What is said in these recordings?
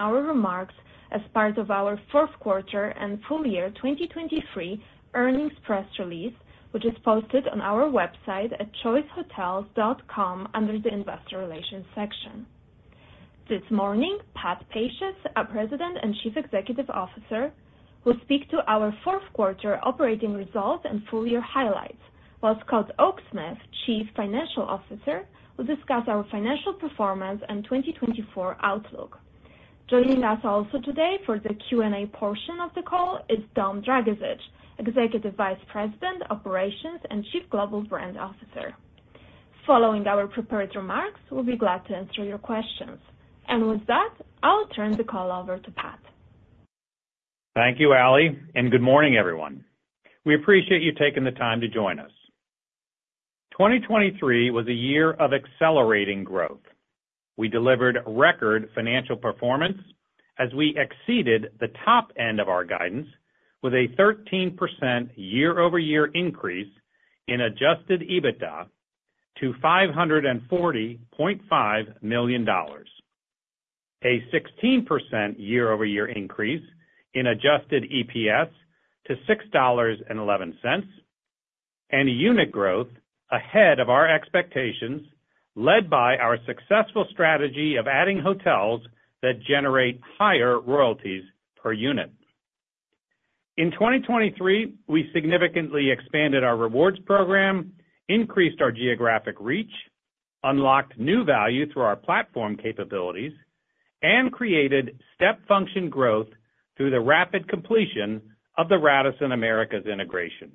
Our remarks as part of our fourth quarter and full year 2023 earnings press release, which is posted on our website at choicehotels.com under the investor relations section. This morning, Pat Pacious, our President and Chief Executive Officer, will speak to our fourth quarter operating results and full year highlights, while Scott Oaksmith, Chief Financial Officer, will discuss our financial performance and 2024 outlook. Joining us also today for the Q&A portion of the call is Dom Dragisich, Executive Vice President, Operations, and Chief Global Brand Officer. Following our prepared remarks, we'll be glad to answer your questions. With that, I'll turn the call over to Pat. Thank you, Allie, and good morning, everyone. We appreciate you taking the time to join us. 2023 was a year of accelerating growth. We delivered record financial performance as we exceeded the top end of our guidance with a 13% year-over-year increase in Adjusted EBITDA to $540.5 million, a 16% year-over-year increase in Adjusted EPS to $6.11, and unit growth ahead of our expectations led by our successful strategy of adding hotels that generate higher royalties per unit. In 2023, we significantly expanded our rewards program, increased our geographic reach, unlocked new value through our platform capabilities, and created step function growth through the rapid completion of the Radisson Americas' integration.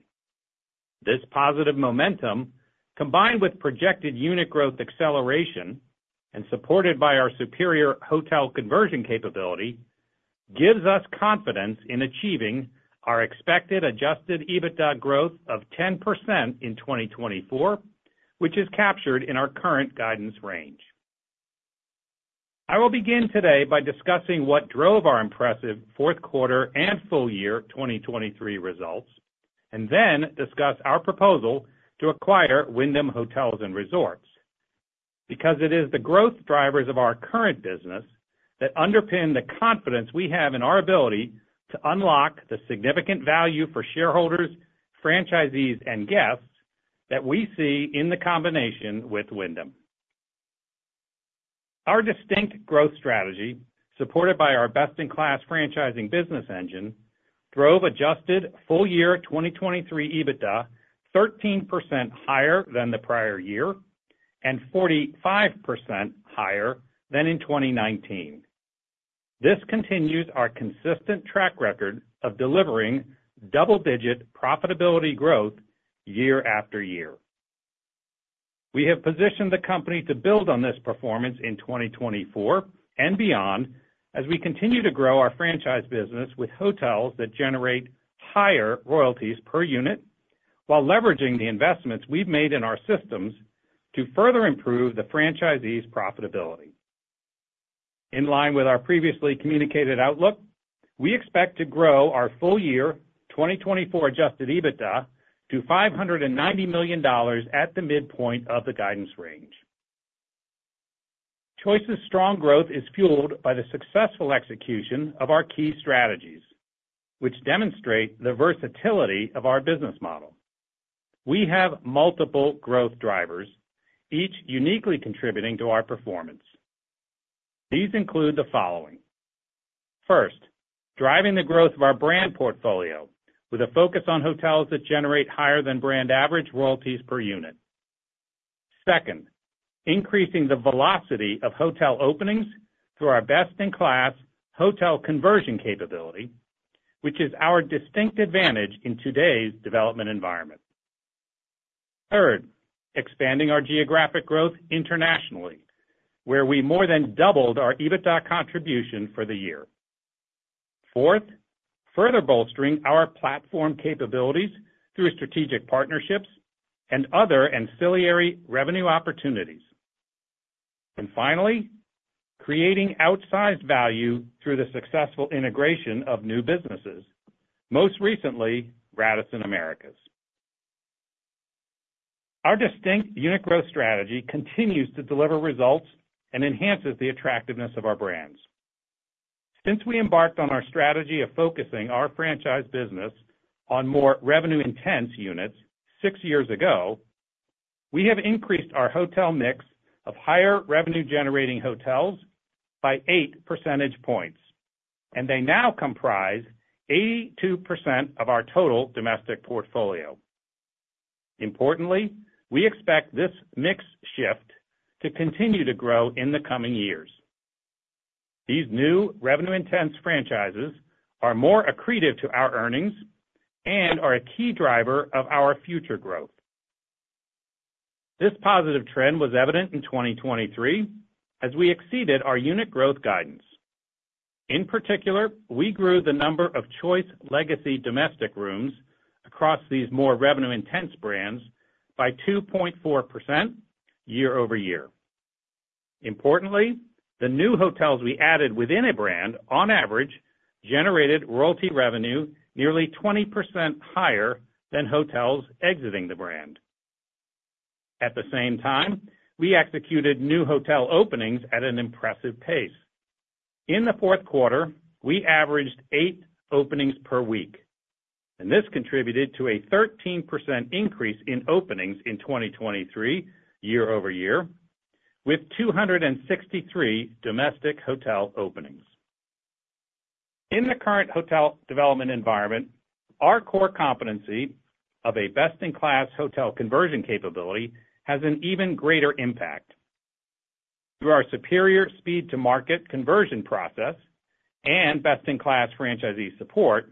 This positive momentum, combined with projected unit growth acceleration and supported by our superior hotel conversion capability, gives us confidence in achieving our expected Adjusted EBITDA growth of 10% in 2024, which is captured in our current guidance range. I will begin today by discussing what drove our impressive fourth quarter and full year 2023 results, and then discuss our proposal to acquire Wyndham Hotels & Resorts. Because it is the growth drivers of our current business that underpin the confidence we have in our ability to unlock the significant value for shareholders, franchisees, and guests that we see in the combination with Wyndham. Our distinct growth strategy, supported by our best-in-class franchising business engine, drove Adjusted full year 2023 EBITDA 13% higher than the prior year and 45% higher than in 2019. This continues our consistent track record of delivering double-digit profitability growth year after year. We have positioned the company to build on this performance in 2024 and beyond as we continue to grow our franchise business with hotels that generate higher royalties per unit while leveraging the investments we've made in our systems to further improve the franchisee's profitability. In line with our previously communicated outlook, we expect to grow our full year 2024 adjusted EBITDA to $590 million at the midpoint of the guidance range. Choice's strong growth is fueled by the successful execution of our key strategies, which demonstrate the versatility of our business model. We have multiple growth drivers, each uniquely contributing to our performance. These include the following: first, driving the growth of our brand portfolio with a focus on hotels that generate higher than brand-average royalties per unit; second, increasing the velocity of hotel openings through our best-in-class hotel conversion capability, which is our distinct advantage in today's development environment; third, expanding our geographic growth internationally, where we more than doubled our EBITDA contribution for the year; fourth, further bolstering our platform capabilities through strategic partnerships and other ancillary revenue opportunities; and finally, creating outsized value through the successful integration of new businesses, most recently Radisson Americas. Our distinct unit growth strategy continues to deliver results and enhances the attractiveness of our brands. Since we embarked on our strategy of focusing our franchise business on more revenue-intense units six years ago, we have increased our hotel mix of higher revenue-generating hotels by 8 percentage points, and they now comprise 82% of our total domestic portfolio. Importantly, we expect this mix shift to continue to grow in the coming years. These new revenue-intense franchises are more accretive to our earnings and are a key driver of our future growth. This positive trend was evident in 2023 as we exceeded our unit growth guidance. In particular, we grew the number of Choice legacy domestic rooms across these more revenue-intense brands by 2.4% year-over-year. Importantly, the new hotels we added within a brand, on average, generated royalty revenue nearly 20% higher than hotels exiting the brand. At the same time, we executed new hotel openings at an impressive pace. In the fourth quarter, we averaged 8 openings per week, and this contributed to a 13% increase in openings in 2023 year-over-year, with 263 domestic hotel openings. In the current hotel development environment, our core competency of a best-in-class hotel conversion capability has an even greater impact. Through our superior speed-to-market conversion process and best-in-class franchisee support,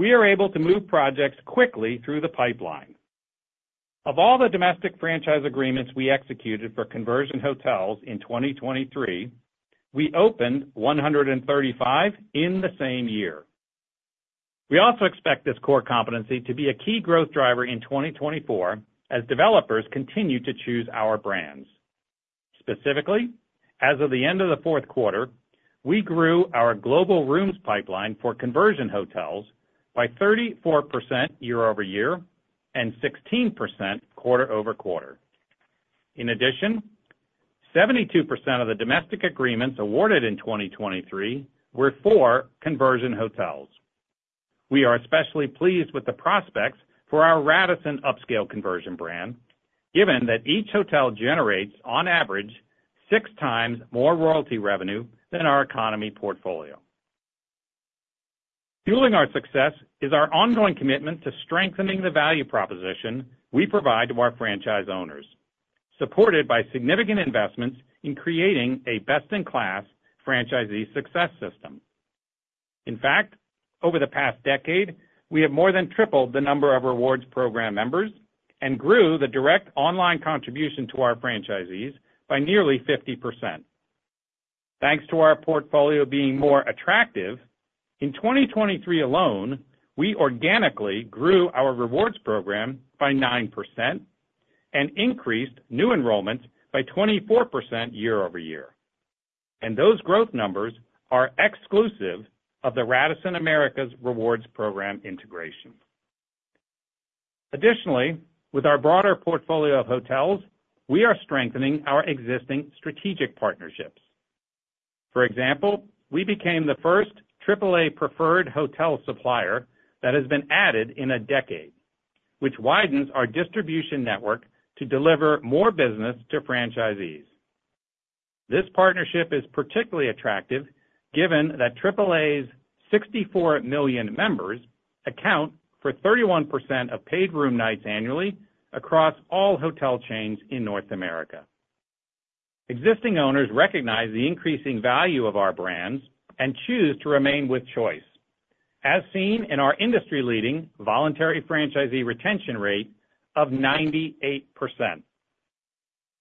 we are able to move projects quickly through the pipeline. Of all the domestic franchise agreements we executed for conversion hotels in 2023, we opened 135 in the same year. We also expect this core competency to be a key growth driver in 2024 as developers continue to choose our brands. Specifically, as of the end of the fourth quarter, we grew our global rooms pipeline for conversion hotels by 34% year-over-year and 16% quarter-over-quarter. In addition, 72% of the domestic agreements awarded in 2023 were for conversion hotels. We are especially pleased with the prospects for our Radisson upscale conversion brand, given that each hotel generates, on average, 6 times more royalty revenue than our economy portfolio. Fueling our success is our ongoing commitment to strengthening the value proposition we provide to our franchise owners, supported by significant investments in creating a best-in-class franchisee success system. In fact, over the past decade, we have more than tripled the number of rewards program members and grew the direct online contribution to our franchisees by nearly 50%. Thanks to our portfolio being more attractive, in 2023 alone, we organically grew our rewards program by 9% and increased new enrollments by 24% year-over-year. And those growth numbers are exclusive of the Radisson Americas' rewards program integration. Additionally, with our broader portfolio of hotels, we are strengthening our existing strategic partnerships. For example, we became the first AAA-preferred hotel supplier that has been added in a decade, which widens our distribution network to deliver more business to franchisees. This partnership is particularly attractive given that AAA's 64 million members account for 31% of paid room nights annually across all hotel chains in North America. Existing owners recognize the increasing value of our brands and choose to remain with Choice, as seen in our industry-leading voluntary franchisee retention rate of 98%.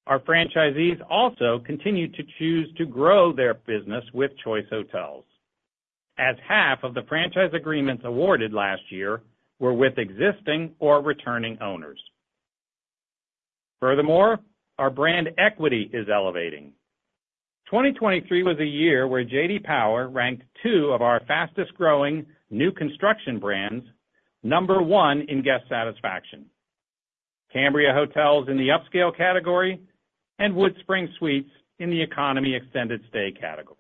Our franchisees also continue to choose to grow their business with Choice Hotels, as half of the franchise agreements awarded last year were with existing or returning owners. Furthermore, our brand equity is elevating. 2023 was a year where J.D. Power ranked 2 of our fastest-growing new construction brands number one in guest satisfaction: Cambria Hotels in the upscale category and WoodSpring Suites in the economy extended stay category.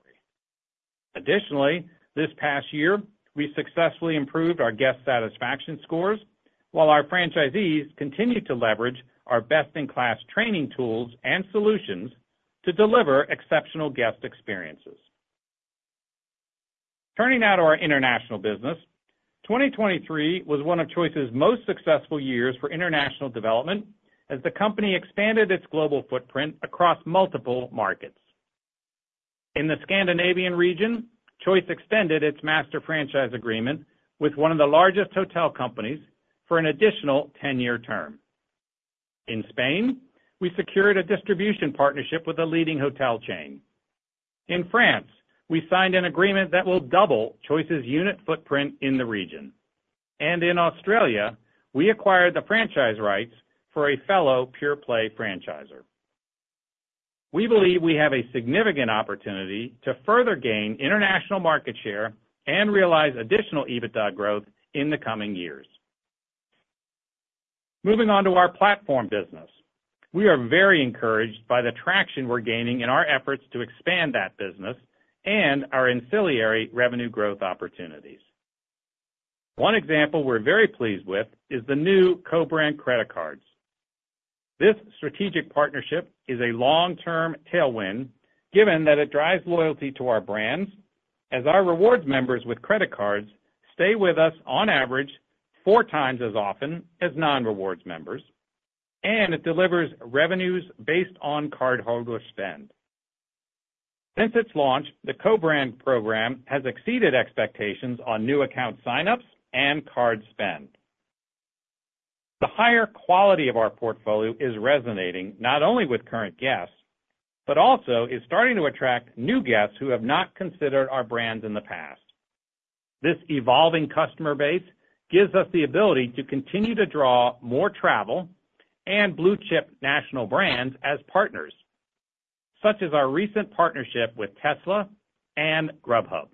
Additionally, this past year, we successfully improved our guest satisfaction scores while our franchisees continue to leverage our best-in-class training tools and solutions to deliver exceptional guest experiences. Turning now to our international business, 2023 was one of Choice's most successful years for international development as the company expanded its global footprint across multiple markets. In the Scandinavian region, Choice extended its master franchise agreement with one of the largest hotel companies for an additional 10-year term. In Spain, we secured a distribution partnership with a leading hotel chain. In France, we signed an agreement that will double Choice's unit footprint in the region. And in Australia, we acquired the franchise rights for a fellow pure-play franchisor. We believe we have a significant opportunity to further gain international market share and realize additional EBITDA growth in the coming years. Moving on to our platform business, we are very encouraged by the traction we're gaining in our efforts to expand that business and our ancillary revenue growth opportunities. One example we're very pleased with is the new co-brand credit cards. This strategic partnership is a long-term tailwind given that it drives loyalty to our brands, as our rewards members with credit cards stay with us, on average, four times as often as non-rewards members, and it delivers revenues based on cardholder spend. Since its launch, the co-brand program has exceeded expectations on new account signups and card spend. The higher quality of our portfolio is resonating not only with current guests but also is starting to attract new guests who have not considered our brands in the past. This evolving customer base gives us the ability to continue to draw more travel and blue-chip national brands as partners, such as our recent partnership with Tesla and Grubhub.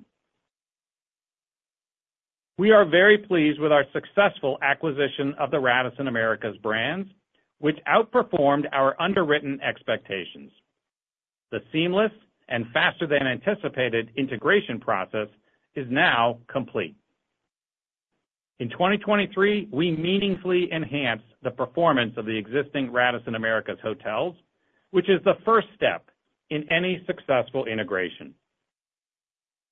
We are very pleased with our successful acquisition of the Radisson Americas brands, which outperformed our underwritten expectations. The seamless and faster-than-anticipated integration process is now complete. In 2023, we meaningfully enhanced the performance of the existing Radisson Americas hotels, which is the first step in any successful integration.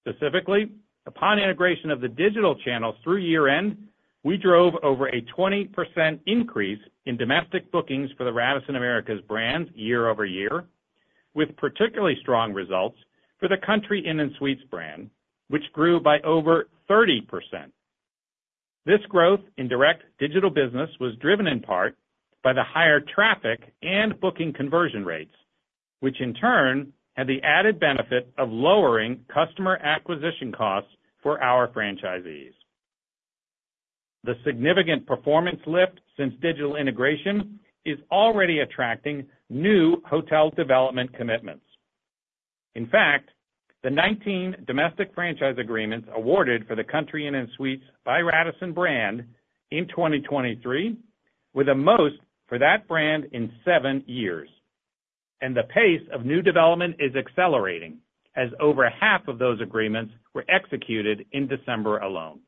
Specifically, upon integration of the digital channels through year-end, we drove over a 20% increase in domestic bookings for the Radisson Americas brands year-over-year, with particularly strong results for the Country Inn & Suites brand, which grew by over 30%. This growth in direct digital business was driven in part by the higher traffic and booking conversion rates, which in turn had the added benefit of lowering customer acquisition costs for our franchisees. The significant performance lift since digital integration is already attracting new hotel development commitments. In fact, the 19 domestic franchise agreements awarded for the Country Inn & Suites by Radisson brand in 2023 were the most for that brand in seven years. And the pace of new development is accelerating as over half of those agreements were executed in December alone.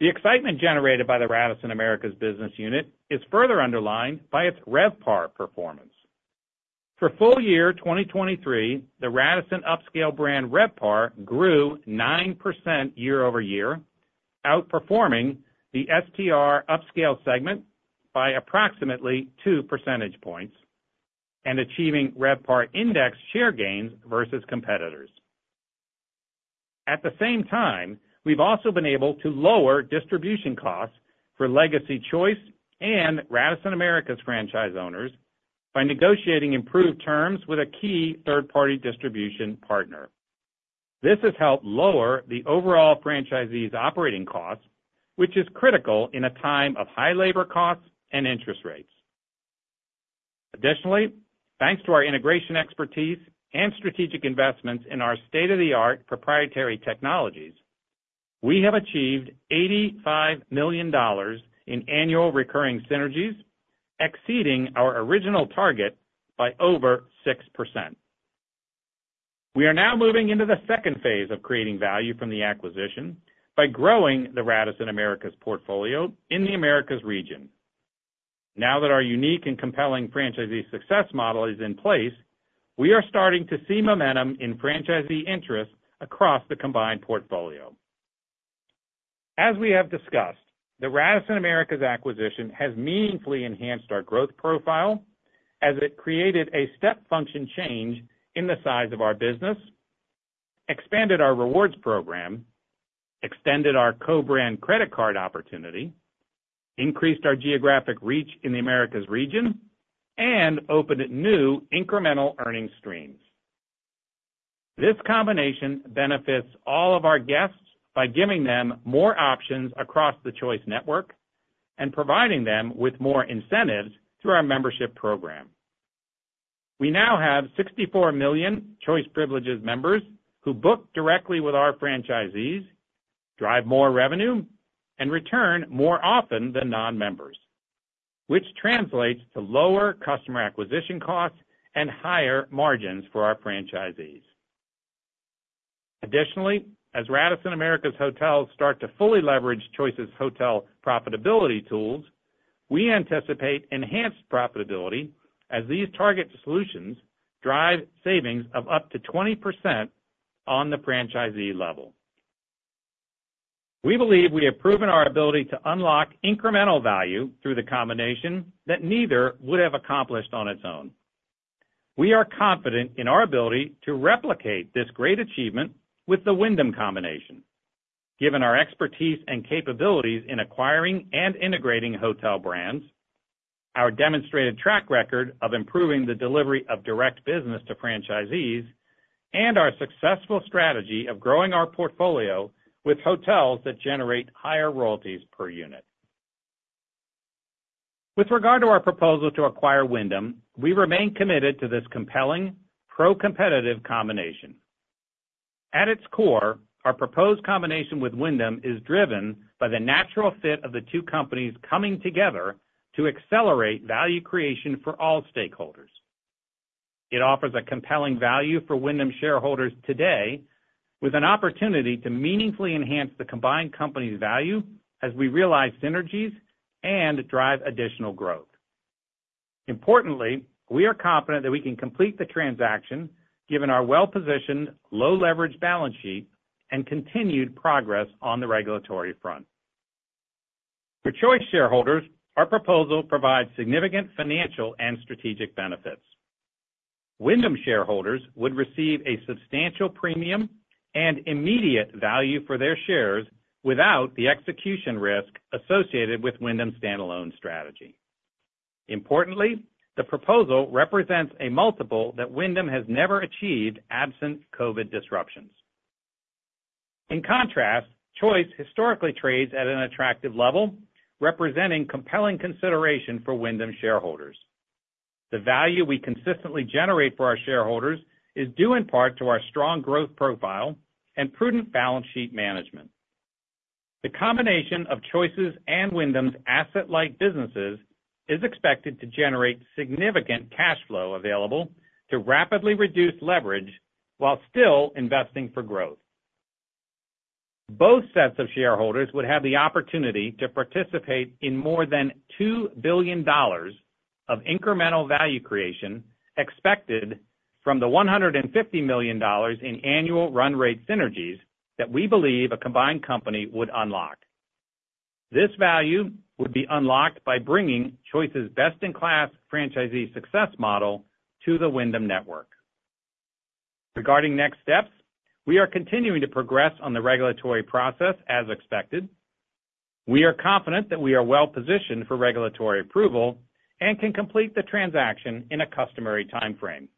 The excitement generated by the Radisson Americas' business unit is further underlined by its RevPAR performance. For full year 2023, the Radisson upscale brand RevPAR grew 9% year-over-year, outperforming the STR upscale segment by approximately 2 percentage points and achieving RevPAR Index share gains versus competitors. At the same time, we've also been able to lower distribution costs for legacy Choice and Radisson Americas' franchise owners by negotiating improved terms with a key third-party distribution partner. This has helped lower the overall franchisees' operating costs, which is critical in a time of high labor costs and interest rates. Additionally, thanks to our integration expertise and strategic investments in our state-of-the-art proprietary technologies, we have achieved $85 million in annual recurring synergies, exceeding our original target by over 6%. We are now moving into the second phase of creating value from the acquisition by growing the Radisson Americas' portfolio in the Americas region. Now that our unique and compelling franchisee success model is in place, we are starting to see momentum in franchisee interest across the combined portfolio. As we have discussed, the Radisson Americas acquisition has meaningfully enhanced our growth profile as it created a step function change in the size of our business, expanded our rewards program, extended our co-brand credit card opportunity, increased our geographic reach in the Americas region, and opened new incremental earnings streams. This combination benefits all of our guests by giving them more options across the Choice network and providing them with more incentives through our membership program. We now have 64 million Choice Privileges members who book directly with our franchisees, drive more revenue, and return more often than non-members, which translates to lower customer acquisition costs and higher margins for our franchisees. Additionally, as Radisson Americas hotels start to fully leverage Choice's hotel profitability tools, we anticipate enhanced profitability as these target solutions drive savings of up to 20% on the franchisee level. We believe we have proven our ability to unlock incremental value through the combination that neither would have accomplished on its own. We are confident in our ability to replicate this great achievement with the Wyndham combination. Given our expertise and capabilities in acquiring and integrating hotel brands, our demonstrated track record of improving the delivery of direct business to franchisees, and our successful strategy of growing our portfolio with hotels that generate higher royalties per unit. With regard to our proposal to acquire Wyndham, we remain committed to this compelling, pro-competitive combination. At its core, our proposed combination with Wyndham is driven by the natural fit of the two companies coming together to accelerate value creation for all stakeholders. It offers a compelling value for Wyndham shareholders today with an opportunity to meaningfully enhance the combined company's value as we realize synergies and drive additional growth. Importantly, we are confident that we can complete the transaction given our well-positioned, low-leverage balance sheet and continued progress on the regulatory front. For Choice shareholders, our proposal provides significant financial and strategic benefits. Wyndham shareholders would receive a substantial premium and immediate value for their shares without the execution risk associated with Wyndham's standalone strategy. Importantly, the proposal represents a multiple that Wyndham has never achieved absent COVID disruptions. In contrast, Choice historically trades at an attractive level, representing compelling consideration for Wyndham shareholders. The value we consistently generate for our shareholders is due in part to our strong growth profile and prudent balance sheet management. The combination of Choice's and Wyndham's asset-like businesses is expected to generate significant cash flow available to rapidly reduce leverage while still investing for growth. Both sets of shareholders would have the opportunity to participate in more than $2 billion of incremental value creation expected from the $150 million in annual run-rate synergies that we believe a combined company would unlock. This value would be unlocked by bringing Choice's best-in-class franchisee success model to the Wyndham network. Regarding next steps, we are continuing to progress on the regulatory process as expected. We are confident that we are well-positioned for regulatory approval and can complete the transaction in a customary time frame.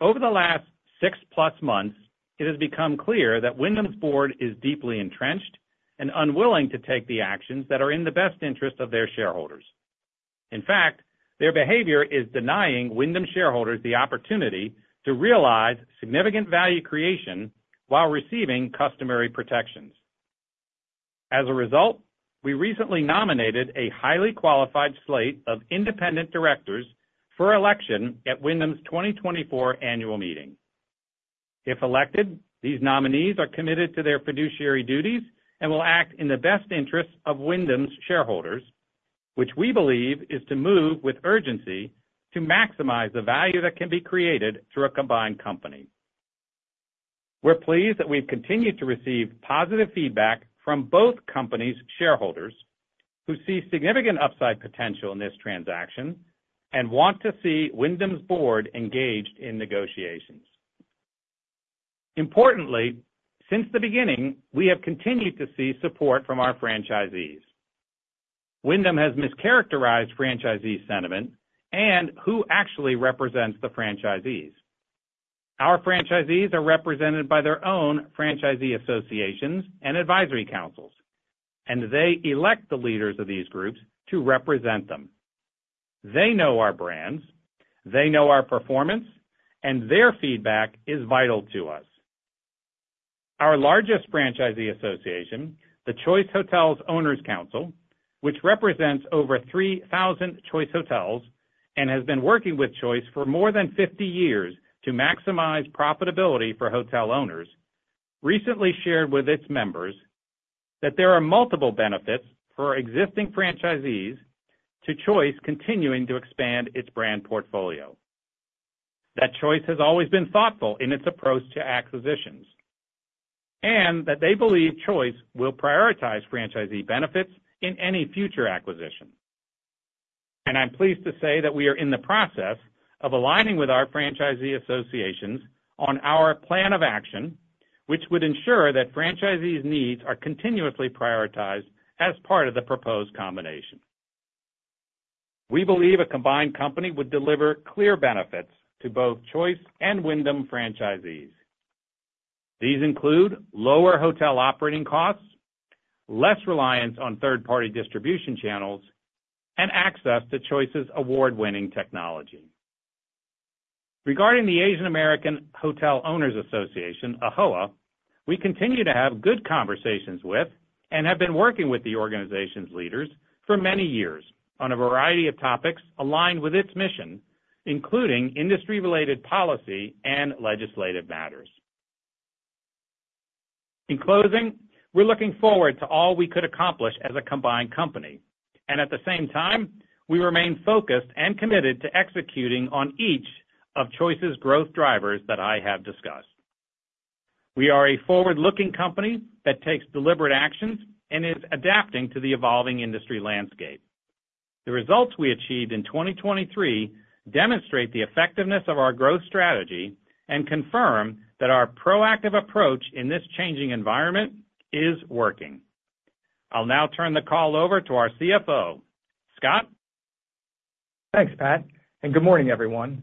Over the last 6+ months, it has become clear that Wyndham's board is deeply entrenched and unwilling to take the actions that are in the best interest of their shareholders. In fact, their behavior is denying Wyndham shareholders the opportunity to realize significant value creation while receiving customary protections. As a result, we recently nominated a highly qualified slate of independent directors for election at Wyndham's 2024 annual meeting. If elected, these nominees are committed to their fiduciary duties and will act in the best interests of Wyndham's shareholders, which we believe is to move with urgency to maximize the value that can be created through a combined company. We're pleased that we've continued to receive positive feedback from both companies' shareholders who see significant upside potential in this transaction and want to see Wyndham's board engaged in negotiations. Importantly, since the beginning, we have continued to see support from our franchisees. Wyndham has mischaracterized franchisee sentiment and who actually represents the franchisees. Our franchisees are represented by their own franchisee associations and advisory councils, and they elect the leaders of these groups to represent them. They know our brands. They know our performance, and their feedback is vital to us. Our largest franchisee association, the Choice Hotels Owners Council, which represents over 3,000 Choice hotels and has been working with Choice for more than 50 years to maximize profitability for hotel owners, recently shared with its members that there are multiple benefits for existing franchisees to Choice continuing to expand its brand portfolio. That Choice has always been thoughtful in its approach to acquisitions and that they believe Choice will prioritize franchisee benefits in any future acquisition. And I'm pleased to say that we are in the process of aligning with our franchisee associations on our plan of action, which would ensure that franchisees' needs are continuously prioritized as part of the proposed combination. We believe a combined company would deliver clear benefits to both Choice and Wyndham franchisees. These include lower hotel operating costs, less reliance on third-party distribution channels, and access to Choice's award-winning technology. Regarding the Asian American Hotel Owners Association, AAHOA, we continue to have good conversations with and have been working with the organization's leaders for many years on a variety of topics aligned with its mission, including industry-related policy and legislative matters. In closing, we're looking forward to all we could accomplish as a combined company. And at the same time, we remain focused and committed to executing on each of Choice's growth drivers that I have discussed. We are a forward-looking company that takes deliberate actions and is adapting to the evolving industry landscape. The results we achieved in 2023 demonstrate the effectiveness of our growth strategy and confirm that our proactive approach in this changing environment is working. I'll now turn the call over to our CFO. Scott. Thanks, Pat. Good morning, everyone.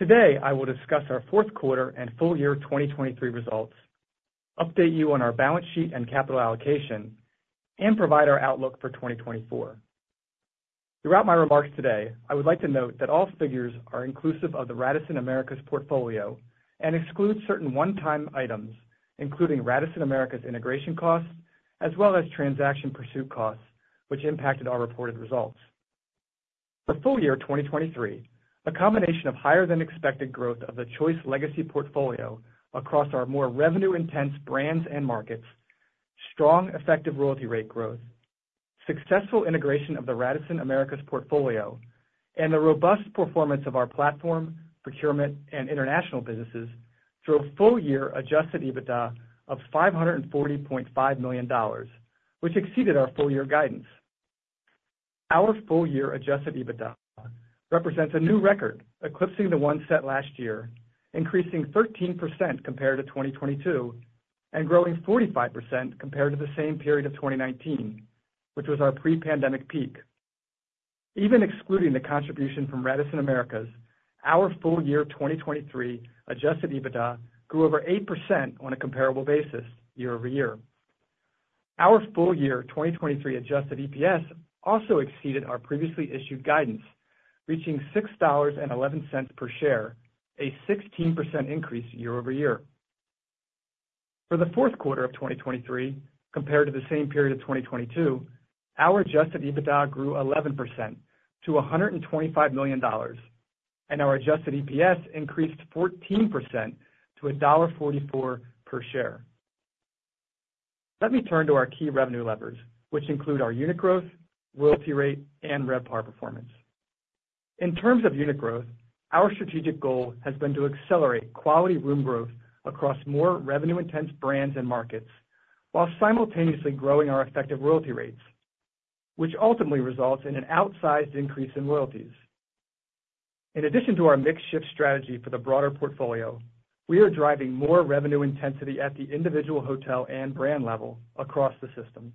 Today, I will discuss our fourth quarter and full year 2023 results, update you on our balance sheet and capital allocation, and provide our outlook for 2024. Throughout my remarks today, I would like to note that all figures are inclusive of the Radisson Americas portfolio and exclude certain one-time items, including Radisson Americas integration costs as well as transaction pursuit costs, which impacted our reported results. For full year 2023, a combination of higher-than-expected growth of the Choice legacy portfolio across our more revenue-intense brands and markets, strong effective royalty rate growth, successful integration of the Radisson Americas portfolio, and the robust performance of our platform, procurement, and international businesses drove full year Adjusted EBITDA of $540.5 million, which exceeded our full year guidance. Our full-year Adjusted EBITDA represents a new record eclipsing the one set last year, increasing 13% compared to 2022 and growing 45% compared to the same period of 2019, which was our pre-pandemic peak. Even excluding the contribution from Radisson Americas, our full-year 2023 Adjusted EBITDA grew over 8% on a comparable basis year-over-year. Our full-year 2023 Adjusted EPS also exceeded our previously issued guidance, reaching $6.11 per share, a 16% increase year-over-year. For the fourth quarter of 2023, compared to the same period of 2022, our Adjusted EBITDA grew 11% to $125 million, and our Adjusted EPS increased 14% to $1.44 per share. Let me turn to our key revenue levers, which include our unit growth, royalty rate, and RevPAR performance. In terms of unit growth, our strategic goal has been to accelerate quality room growth across more revenue-intense brands and markets while simultaneously growing our effective royalty rates, which ultimately results in an outsized increase in royalties. In addition to our mixed-shift strategy for the broader portfolio, we are driving more revenue intensity at the individual hotel and brand level across the system.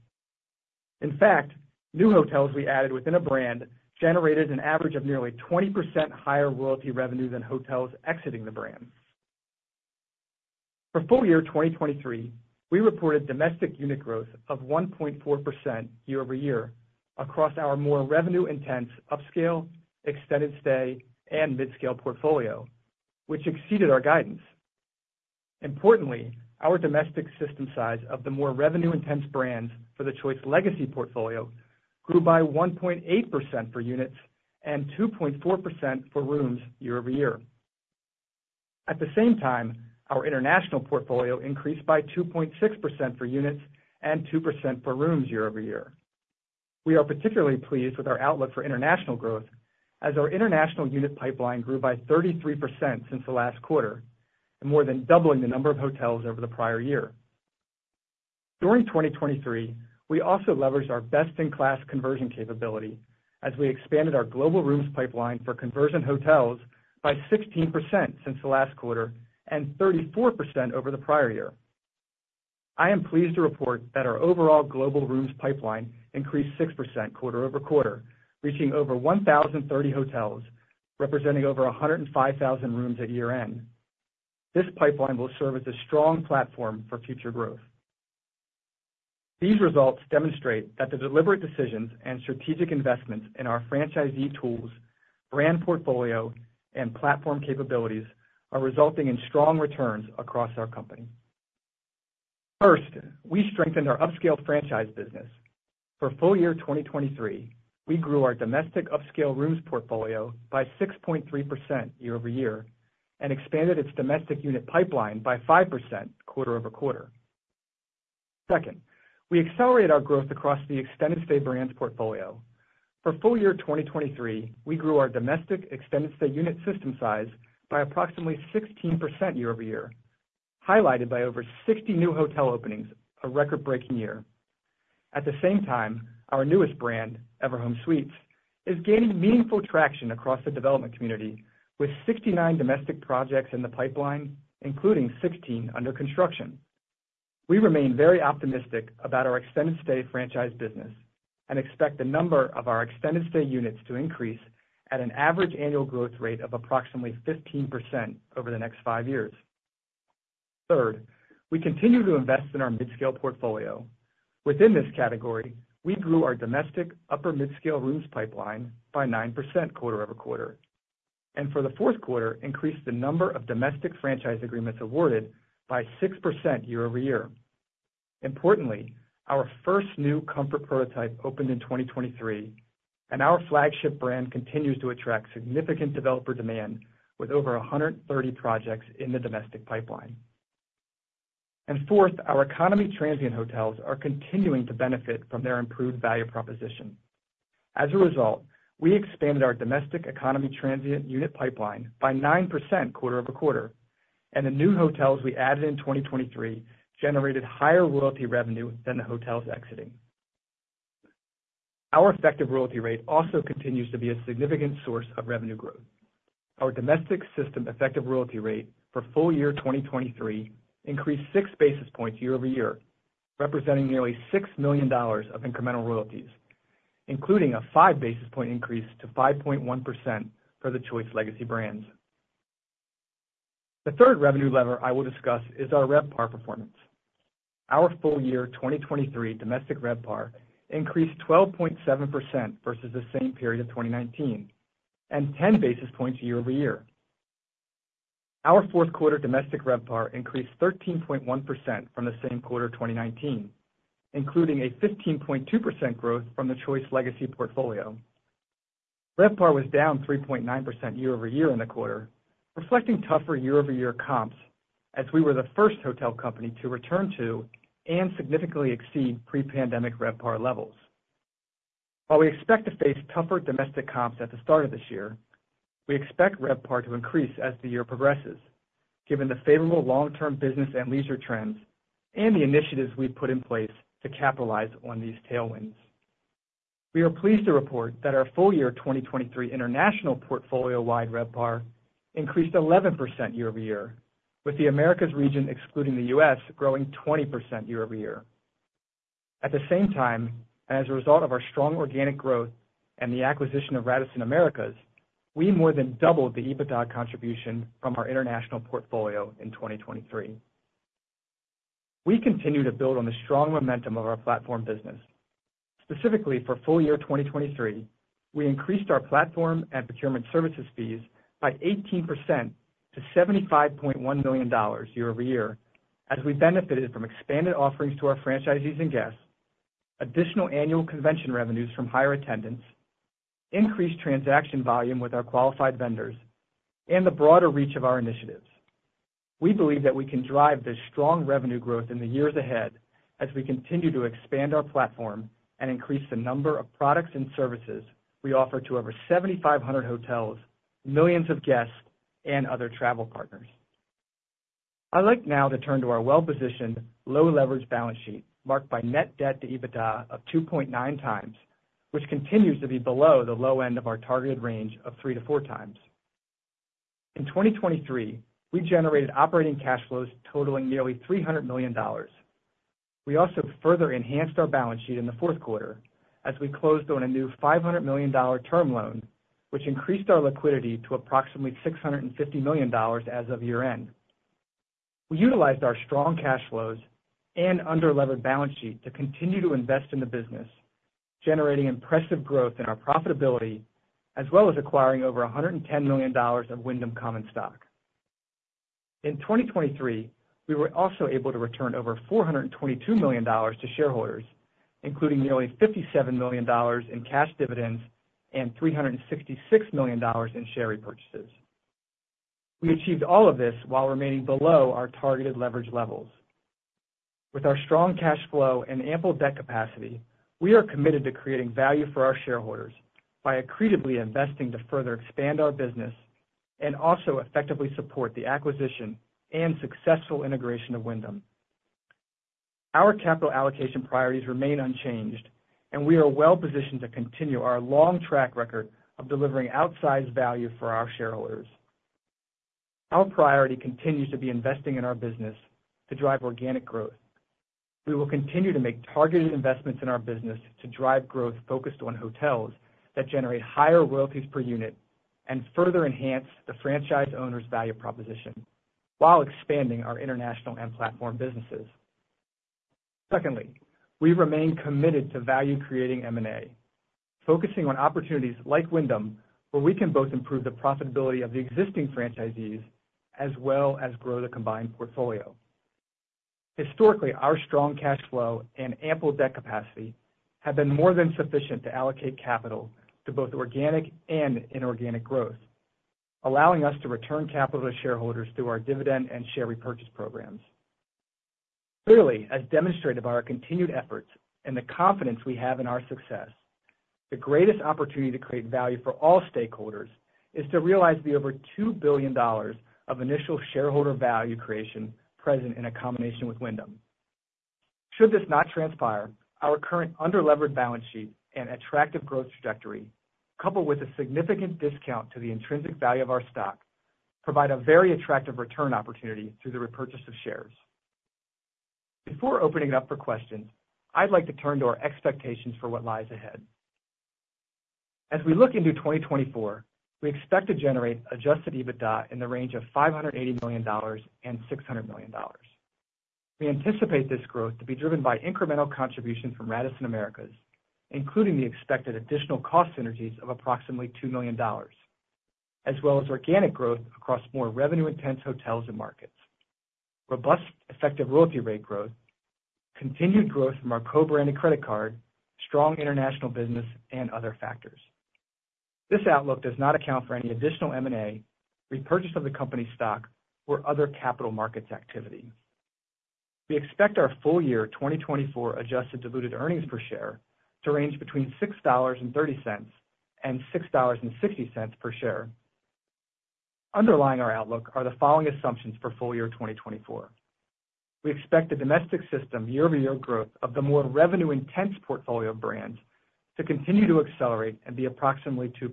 In fact, new hotels we added within a brand generated an average of nearly 20% higher royalty revenue than hotels exiting the brand. For full year 2023, we reported domestic unit growth of 1.4% year-over-year across our more revenue-intense upscale, extended stay, and midscale portfolio, which exceeded our guidance. Importantly, our domestic system size of the more revenue-intense brands for the Choice legacy portfolio grew by 1.8% for units and 2.4% for rooms year-over-year. At the same time, our international portfolio increased by 2.6% for units and 2% for rooms year-over-year. We are particularly pleased with our outlook for international growth as our international unit pipeline grew by 33% since the last quarter, more than doubling the number of hotels over the prior year. During 2023, we also leveraged our best-in-class conversion capability as we expanded our global rooms pipeline for conversion hotels by 16% since the last quarter and 34% over the prior year. I am pleased to report that our overall global rooms pipeline increased 6% quarter-over-quarter, reaching over 1,030 hotels, representing over 105,000 rooms at year-end. This pipeline will serve as a strong platform for future growth. These results demonstrate that the deliberate decisions and strategic investments in our franchisee tools, brand portfolio, and platform capabilities are resulting in strong returns across our company. First, we strengthened our upscale franchise business. For full year 2023, we grew our domestic upscale rooms portfolio by 6.3% year-over-year and expanded its domestic unit pipeline by 5% quarter-over-quarter. Second, we accelerated our growth across the extended stay brands portfolio. For full year 2023, we grew our domestic extended stay unit system size by approximately 16% year-over-year, highlighted by over 60 new hotel openings, a record-breaking year. At the same time, our newest brand, Everhome Suites, is gaining meaningful traction across the development community with 69 domestic projects in the pipeline, including 16 under construction. We remain very optimistic about our extended stay franchise business and expect the number of our extended stay units to increase at an average annual growth rate of approximately 15% over the next five years. Third, we continue to invest in our midscale portfolio. Within this category, we grew our domestic upper-midscale rooms pipeline by 9% quarter-over-quarter and for the fourth quarter, increased the number of domestic franchise agreements awarded by 6% year-over-year. Importantly, our first new Comfort prototype opened in 2023, and our flagship brand continues to attract significant developer demand with over 130 projects in the domestic pipeline. And fourth, our economy transient hotels are continuing to benefit from their improved value proposition. As a result, we expanded our domestic economy transient unit pipeline by 9% quarter-over-quarter, and the new hotels we added in 2023 generated higher royalty revenue than the hotels exiting. Our effective royalty rate also continues to be a significant source of revenue growth. Our domestic system effective royalty rate for full year 2023 increased six basis points year-over-year, representing nearly $6 million of incremental royalties, including a five basis point increase to 5.1% for the Choice legacy brands. The third revenue lever I will discuss is our RevPAR performance. Our full year 2023 domestic RevPAR increased 12.7% versus the same period of 2019 and 10 basis points year-over-year. Our fourth quarter domestic RevPAR increased 13.1% from the same quarter 2019, including a 15.2% growth from the Choice legacy portfolio. RevPAR was down 3.9% year-over-year in the quarter, reflecting tougher year-over-year comps as we were the first hotel company to return to and significantly exceed pre-pandemic RevPAR levels. While we expect to face tougher domestic comps at the start of this year, we expect RevPAR to increase as the year progresses, given the favorable long-term business and leisure trends and the initiatives we've put in place to capitalize on these tailwinds. We are pleased to report that our full year 2023 international portfolio-wide RevPAR increased 11% year over year, with the Americas region excluding the US growing 20% year over year. At the same time, and as a result of our strong organic growth and the acquisition of Radisson Americas, we more than doubled the EBITDA contribution from our international portfolio in 2023. We continue to build on the strong momentum of our platform business. Specifically, for full year 2023, we increased our platform and procurement services fees by 18% to $75.1 million year-over-year as we benefited from expanded offerings to our franchisees and guests, additional annual convention revenues from higher attendance, increased transaction volume with our qualified vendors, and the broader reach of our initiatives. We believe that we can drive this strong revenue growth in the years ahead as we continue to expand our platform and increase the number of products and services we offer to over 7,500 hotels, millions of guests, and other travel partners. I'd like now to turn to our well-positioned, low-leverage balance sheet marked by Net Debt to EBITDA of 2.9 times, which continues to be below the low end of our targeted range of three to four times. In 2023, we generated operating cash flows totaling nearly $300 million. We also further enhanced our balance sheet in the fourth quarter as we closed on a new $500 million term loan, which increased our liquidity to approximately $650 million as of year-end. We utilized our strong cash flows and under-levered balance sheet to continue to invest in the business, generating impressive growth in our profitability as well as acquiring over $110 million of Wyndham Common Stock. In 2023, we were also able to return over $422 million to shareholders, including nearly $57 million in cash dividends and $366 million in share repurchases. We achieved all of this while remaining below our targeted leverage levels. With our strong cash flow and ample debt capacity, we are committed to creating value for our shareholders by accretively investing to further expand our business and also effectively support the acquisition and successful integration of Wyndham. Our capital allocation priorities remain unchanged, and we are well-positioned to continue our long track record of delivering outsized value for our shareholders. Our priority continues to be investing in our business to drive organic growth. We will continue to make targeted investments in our business to drive growth focused on hotels that generate higher royalties per unit and further enhance the franchise owner's value proposition while expanding our international and platform businesses. Secondly, we remain committed to value-creating M&A, focusing on opportunities like Wyndham where we can both improve the profitability of the existing franchisees as well as grow the combined portfolio. Historically, our strong cash flow and ample debt capacity have been more than sufficient to allocate capital to both organic and inorganic growth, allowing us to return capital to shareholders through our dividend and share repurchase programs. Clearly, as demonstrated by our continued efforts and the confidence we have in our success, the greatest opportunity to create value for all stakeholders is to realize the over $2 billion of initial shareholder value creation present in a combination with Wyndham. Should this not transpire, our current under-levered balance sheet and attractive growth trajectory, coupled with a significant discount to the intrinsic value of our stock, provide a very attractive return opportunity through the repurchase of shares. Before opening it up for questions, I'd like to turn to our expectations for what lies ahead. As we look into 2024, we expect to generate Adjusted EBITDA in the range of $580 million-$600 million. We anticipate this growth to be driven by incremental contributions from Radisson Americas, including the expected additional cost synergies of approximately $2 million, as well as organic growth across more revenue-intense hotels and markets, robust effective royalty rate growth, continued growth from our co-branded credit card, strong international business, and other factors. This outlook does not account for any additional M&A, repurchase of the company's stock, or other capital markets activity. We expect our full year 2024 adjusted diluted earnings per share to range between $6.30-$6.60 per share. Underlying our outlook are the following assumptions for full year 2024. We expect the domestic system year-over-year growth of the more revenue-intense portfolio of brands to continue to accelerate and be approximately 2%.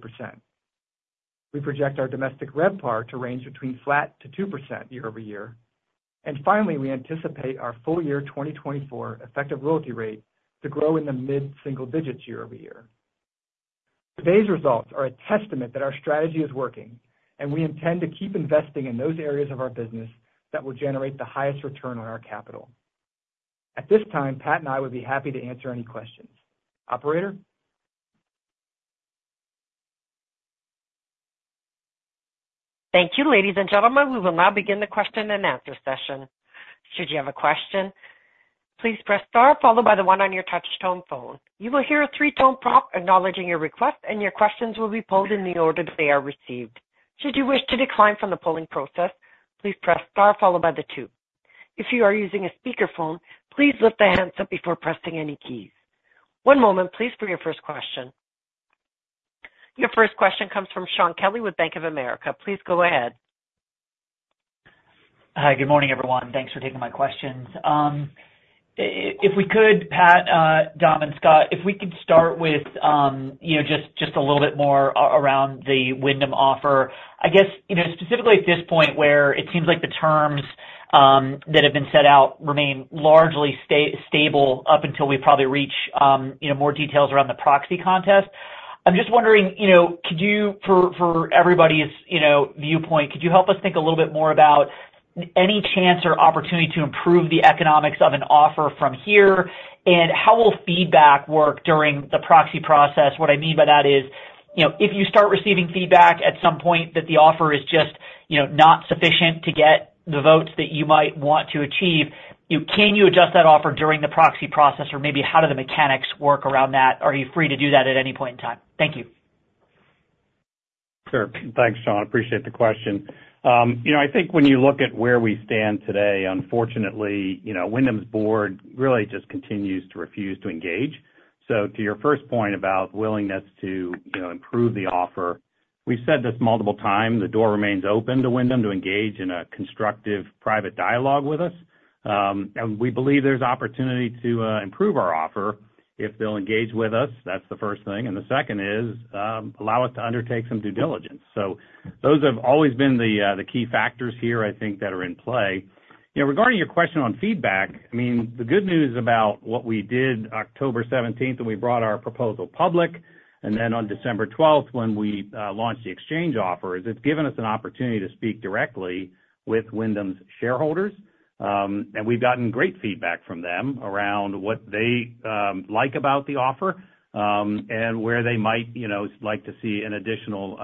We project our domestic RevPAR to range between flat to 2% year over year. Finally, we anticipate our full year 2024 effective royalty rate to grow in the mid-single digits year-over-year. Today's results are a testament that our strategy is working, and we intend to keep investing in those areas of our business that will generate the highest return on our capital. At this time, Pat and I would be happy to answer any questions. Operator? Thank you, ladies and gentlemen. We will now begin the question and answer session. Should you have a question, please press star followed by the one on your touch-tone phone. You will hear a three-tone prompt acknowledging your request, and your questions will be polled in the order that they are received. Should you wish to decline from the polling process, please press star followed by the two. If you are using a speakerphone, please lift the handset up before pressing any keys. One moment, please, for your first question. Your first question comes from Shaun Kelley with Bank of America. Please go ahead. Hi. Good morning, everyone. Thanks for taking my questions. If we could, Pat, Dom, and Scott, if we could start with just a little bit more around the Wyndham offer. I guess specifically at this point where it seems like the terms that have been set out remain largely stable up until we probably reach more details around the proxy contest, I'm just wondering, for everybody's viewpoint, could you help us think a little bit more about any chance or opportunity to improve the economics of an offer from here, and how will feedback work during the proxy process? What I mean by that is, if you start receiving feedback at some point that the offer is just not sufficient to get the votes that you might want to achieve, can you adjust that offer during the proxy process, or maybe how do the mechanics work around that? Are you free to do that at any point in time? Thank you. Sure. Thanks, Shaun. Appreciate the question. I think when you look at where we stand today, unfortunately, Wyndham's board really just continues to refuse to engage. So to your first point about willingness to improve the offer, we've said this multiple times. The door remains open to Wyndham to engage in a constructive private dialogue with us. And we believe there's opportunity to improve our offer if they'll engage with us. That's the first thing. And the second is allow us to undertake some due diligence. So those have always been the key factors here, I think, that are in play. Regarding your question on feedback, I mean, the good news about what we did October 17th when we brought our proposal public, and then on December 12th when we launched the exchange offer, is it's given us an opportunity to speak directly with Wyndham's shareholders. We've gotten great feedback from them around what they like about the offer and where they might like to see an additional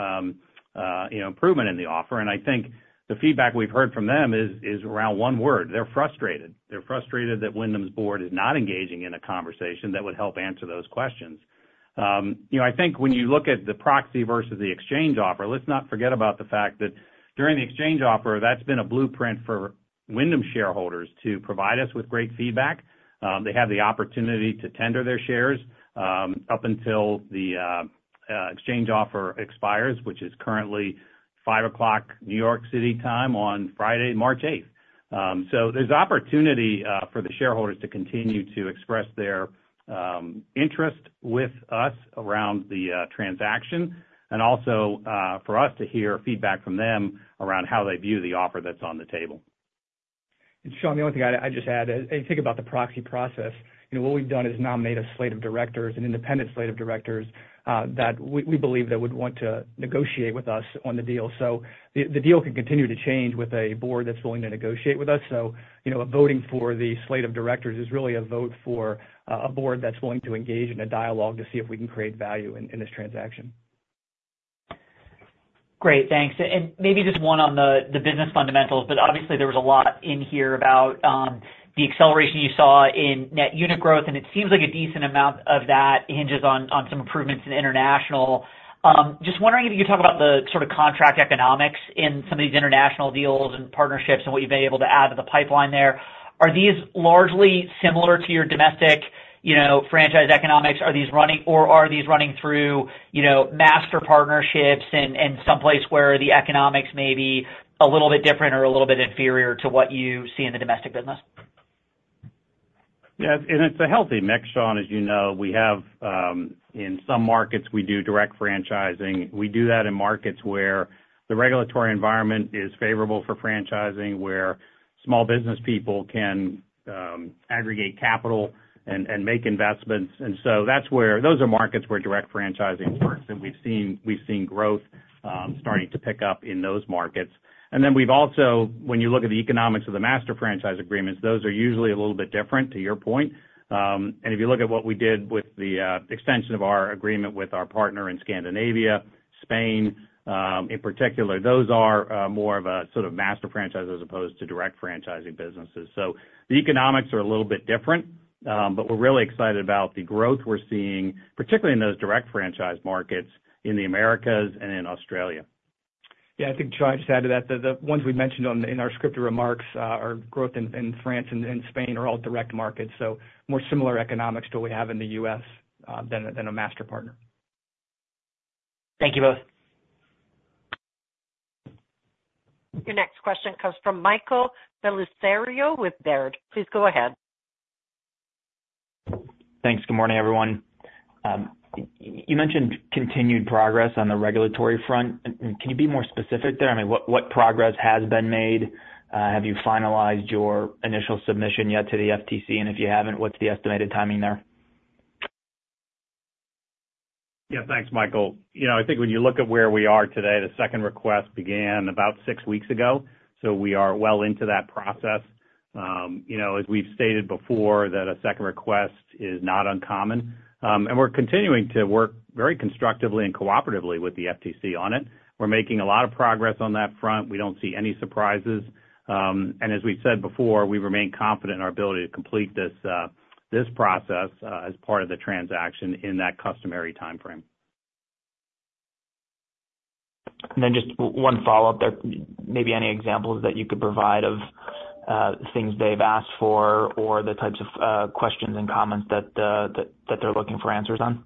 improvement in the offer. I think the feedback we've heard from them is around one word. They're frustrated. They're frustrated that Wyndham's board is not engaging in a conversation that would help answer those questions. I think when you look at the proxy versus the exchange offer, let's not forget about the fact that during the exchange offer, that's been a blueprint for Wyndham shareholders to provide us with great feedback. They have the opportunity to tender their shares up until the exchange offer expires, which is currently 5:00 P.M. New York City time on Friday, March 8th. There's opportunity for the shareholders to continue to express their interest with us around the transaction and also for us to hear feedback from them around how they view the offer that's on the table. And Shaun, the only thing I'd just add is, if you think about the proxy process, what we've done is nominate a slate of directors, an independent slate of directors that we believe that would want to negotiate with us on the deal. So the deal can continue to change with a board that's willing to negotiate with us. So voting for the slate of directors is really a vote for a board that's willing to engage in a dialogue to see if we can create value in this transaction. Great. Thanks. And maybe just one on the business fundamentals. But obviously, there was a lot in here about the acceleration you saw in net unit growth. And it seems like a decent amount of that hinges on some improvements in international. Just wondering if you could talk about the sort of contract economics in some of these international deals and partnerships and what you've been able to add to the pipeline there. Are these largely similar to your domestic franchise economics? Are these running or are these running through master partnerships and someplace where the economics may be a little bit different or a little bit inferior to what you see in the domestic business? Yeah. And it's a healthy mix, Shaun. As you know, in some markets, we do direct franchising. We do that in markets where the regulatory environment is favorable for franchising, where small business people can aggregate capital and make investments. And so those are markets where direct franchising works. And we've seen growth starting to pick up in those markets. And then when you look at the economics of the master franchise agreements, those are usually a little bit different, to your point. And if you look at what we did with the extension of our agreement with our partner in Scandinavia, Spain in particular, those are more of a sort of master franchise as opposed to direct franchising businesses. So the economics are a little bit different. But we're really excited about the growth we're seeing, particularly in those direct franchise markets in the Americas and in Australia. Yeah. I think Pat just added that the ones we mentioned in our scripted remarks, our growth in France and Spain, are all direct markets. So more similar economics to what we have in the U.S. than a master partner. Thank you both. Your next question comes from Michael Bellisario with Baird. Please go ahead. Thanks. Good morning, everyone. You mentioned continued progress on the regulatory front. Can you be more specific there? I mean, what progress has been made? Have you finalized your initial submission yet to the FTC? And if you haven't, what's the estimated timing there? Yeah. Thanks, Michael. I think when you look at where we are today, the Second Request began about six weeks ago. So we are well into that process. As we've stated before, that a Second Request is not uncommon. And we're continuing to work very constructively and cooperatively with the FTC on it. We're making a lot of progress on that front. We don't see any surprises. And as we've said before, we remain confident in our ability to complete this process as part of the transaction in that customary timeframe. And then just one follow-up there. Maybe any examples that you could provide of things they've asked for or the types of questions and comments that they're looking for answers on?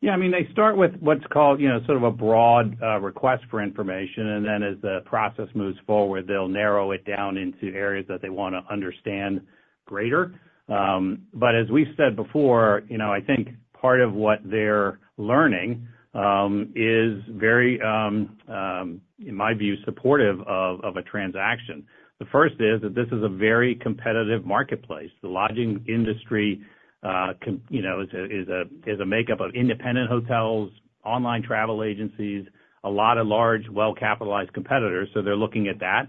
Yeah. I mean, they start with what's called sort of a broad request for information. And then as the process moves forward, they'll narrow it down into areas that they want to understand greater. But as we've said before, I think part of what they're learning is very, in my view, supportive of a transaction. The first is that this is a very competitive marketplace. The lodging industry is a makeup of independent hotels, online travel agencies, a lot of large, well-capitalized competitors. So they're looking at that.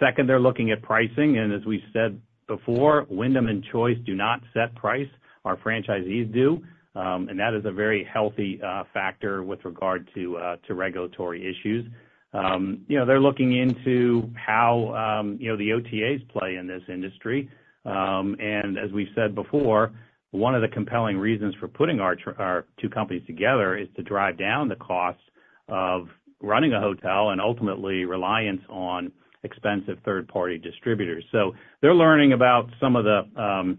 Second, they're looking at pricing. And as we've said before, Wyndham and Choice do not set price. Our franchisees do. And that is a very healthy factor with regard to regulatory issues. They're looking into how the OTAs play in this industry. And as we've said before, one of the compelling reasons for putting our two companies together is to drive down the cost of running a hotel and ultimately reliance on expensive third-party distributors. So they're learning about some of the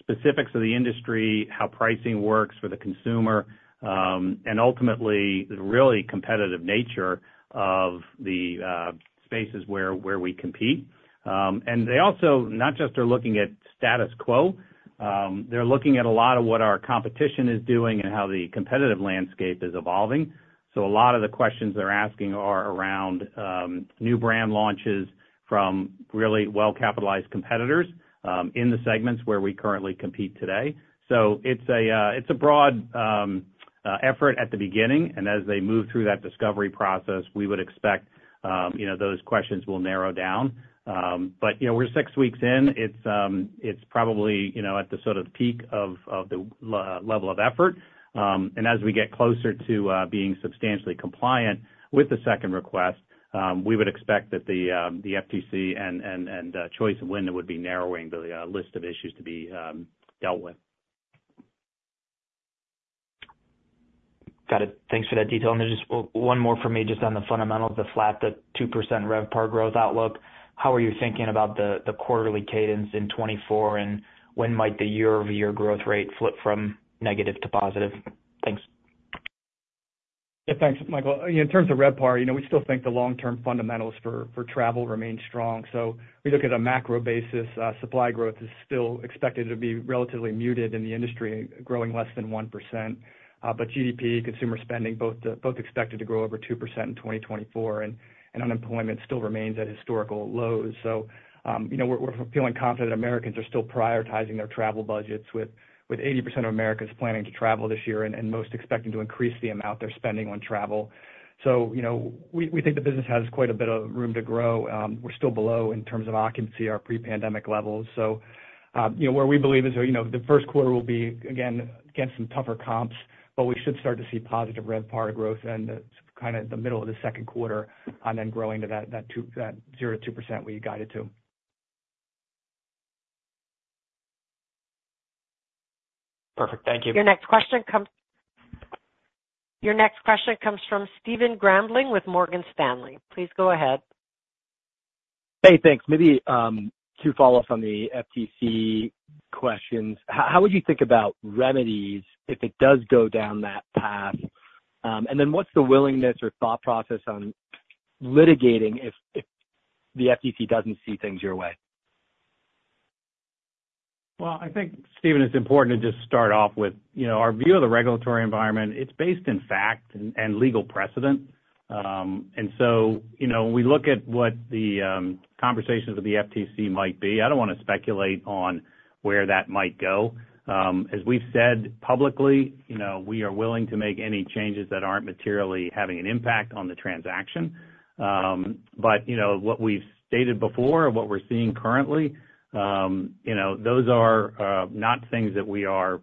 specifics of the industry, how pricing works for the consumer, and ultimately, the really competitive nature of the spaces where we compete. And they also not just are looking at status quo. They're looking at a lot of what our competition is doing and how the competitive landscape is evolving. So a lot of the questions they're asking are around new brand launches from really well-capitalized competitors in the segments where we currently compete today. So it's a broad effort at the beginning. And as they move through that discovery process, we would expect those questions will narrow down. But we're six weeks in. It's probably at the sort of peak of the level of effort. And as we get closer to being substantially compliant with the Second Request, we would expect that the FTC and Choice and Wyndham would be narrowing the list of issues to be dealt with. Got it. Thanks for that detail. Then just one more for me, just on the fundamentals, the flat to 2% RevPAR growth outlook. How are you thinking about the quarterly cadence in 2024, and when might the year-over-year growth rate flip from negative to positive? Thanks. Yeah. Thanks, Michael. In terms of RevPAR, we still think the long-term fundamentals for travel remain strong. So we look at a macro basis. Supply growth is still expected to be relatively muted in the industry, growing less than 1%. But GDP, consumer spending, both expected to grow over 2% in 2024. And unemployment still remains at historical lows. So we're feeling confident that Americans are still prioritizing their travel budgets, with 80% of Americans planning to travel this year and most expecting to increase the amount they're spending on travel. So we think the business has quite a bit of room to grow. We're still below in terms of occupancy, our pre-pandemic levels. What we believe is the first quarter will be, again, against some tougher comps, but we should start to see positive RevPAR growth in kind of the middle of the second quarter and then growing to that 0%-2% we guided to. Perfect. Thank you. Your next question comes from Stephen Grambling with Morgan Stanley. Please go ahead. Hey. Thanks. Maybe two follow-ups on the FTC questions. How would you think about remedies if it does go down that path? And then what's the willingness or thought process on litigating if the FTC doesn't see things your way? Well, I think, Stephen, it's important to just start off with our view of the regulatory environment. It's based in fact and legal precedent. And so when we look at what the conversations with the FTC might be, I don't want to speculate on where that might go. As we've said publicly, we are willing to make any changes that aren't materially having an impact on the transaction. But what we've stated before and what we're seeing currently, those are not things that we are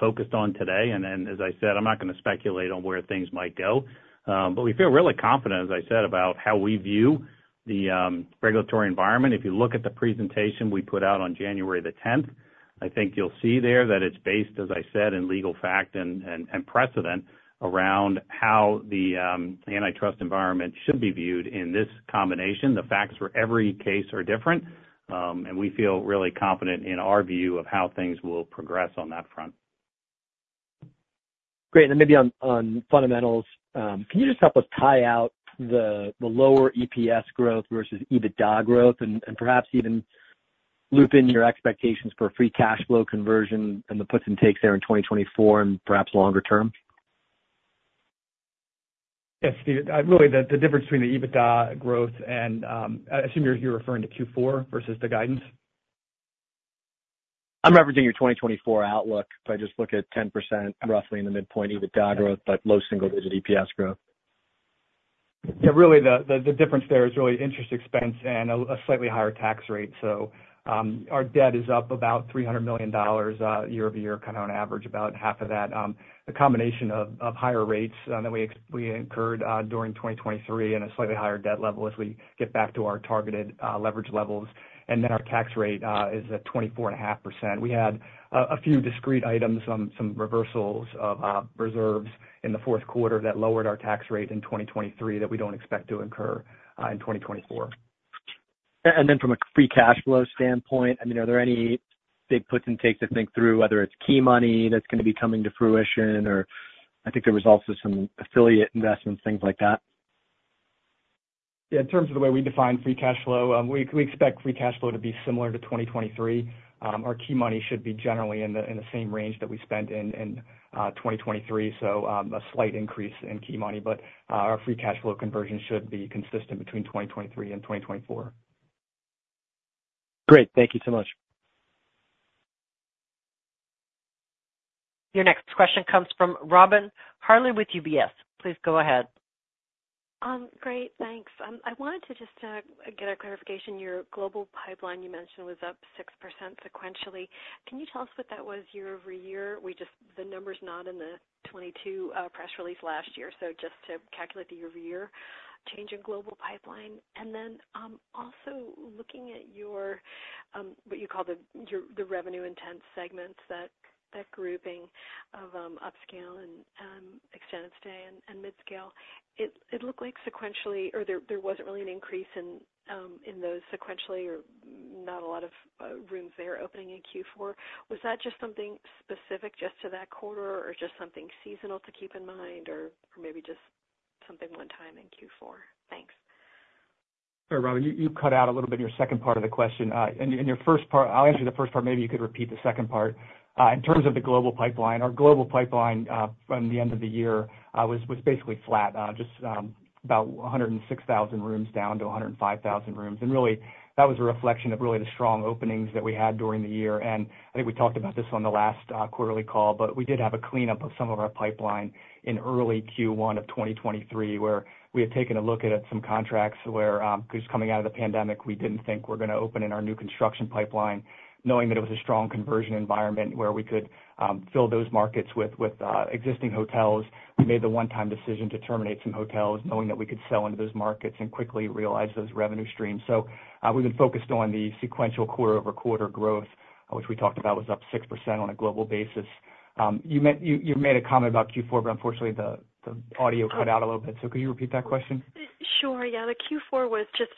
focused on today. And then, as I said, I'm not going to speculate on where things might go. But we feel really confident, as I said, about how we view the regulatory environment. If you look at the presentation we put out on January the 10th, I think you'll see there that it's based, as I said, in legal fact and precedent around how the antitrust environment should be viewed in this combination. The facts for every case are different. We feel really confident in our view of how things will progress on that front. Great. And then maybe on fundamentals, can you just help us tie out the lower EPS growth versus EBITDA growth and perhaps even loop in your expectations for free cash flow conversion and the puts and takes there in 2024 and perhaps longer term? Yeah, Stephen. Really, the difference between the EBITDA growth and I assume you're referring to Q4 versus the guidance? I'm referencing your 2024 outlook. If I just look at 10% roughly in the midpoint EBITDA growth but low single-digit EPS growth. Yeah. Really, the difference there is really interest expense and a slightly higher tax rate. So our debt is up about $300 million year-over-year, kind of on average, about half of that. The combination of higher rates that we incurred during 2023 and a slightly higher debt level as we get back to our targeted leverage levels. And then our tax rate is at 24.5%. We had a few discrete items, some reversals of reserves in the fourth quarter that lowered our tax rate in 2023 that we don't expect to incur in 2024. And then from a free cash flow standpoint, I mean, are there any big puts and takes to think through, whether it's key money that's going to be coming to fruition or I think there was also some affiliate investments, things like that? Yeah. In terms of the way we define free cash flow, we expect free cash flow to be similar to 2023. Our key money should be generally in the same range that we spent in 2023, so a slight increase in key money. But our free cash flow conversion should be consistent between 2023 and 2024. Great. Thank you so much. Your next question comes from Robin Farley with UBS. Please go ahead. Great. Thanks. I wanted to just get a clarification. Your global pipeline, you mentioned, was up 6% sequentially. Can you tell us what that was year-over-year? The number's not in the 2022 press release last year. So just to calculate the year-over-year change in global pipeline. And then also looking at what you call the revenue-intense segments, that grouping of upscale and extended stay and midscale, it looked like sequentially there wasn't really an increase in those sequentially or not a lot of rooms there opening in Q4. Was that just something specific just to that quarter or just something seasonal to keep in mind or maybe just something one time in Q4? Thanks. Sure, Robin. You cut out a little bit in your second part of the question. I'll answer the first part. Maybe you could repeat the second part. In terms of the global pipeline, our global pipeline from the end of the year was basically flat, just about 106,000 rooms down to 105,000 rooms. Really, that was a reflection of really the strong openings that we had during the year. I think we talked about this on the last quarterly call, but we did have a cleanup of some of our pipeline in early Q1 of 2023 where we had taken a look at some contracts where just coming out of the pandemic, we didn't think we're going to open in our new construction pipeline, knowing that it was a strong conversion environment where we could fill those markets with existing hotels. We made the one-time decision to terminate some hotels, knowing that we could sell into those markets and quickly realize those revenue streams. So we've been focused on the sequential quarter-over-quarter growth, which we talked about was up 6% on a global basis. You made a comment about Q4, but unfortunately, the audio cut out a little bit. So could you repeat that question? Sure. Yeah. The Q4 was just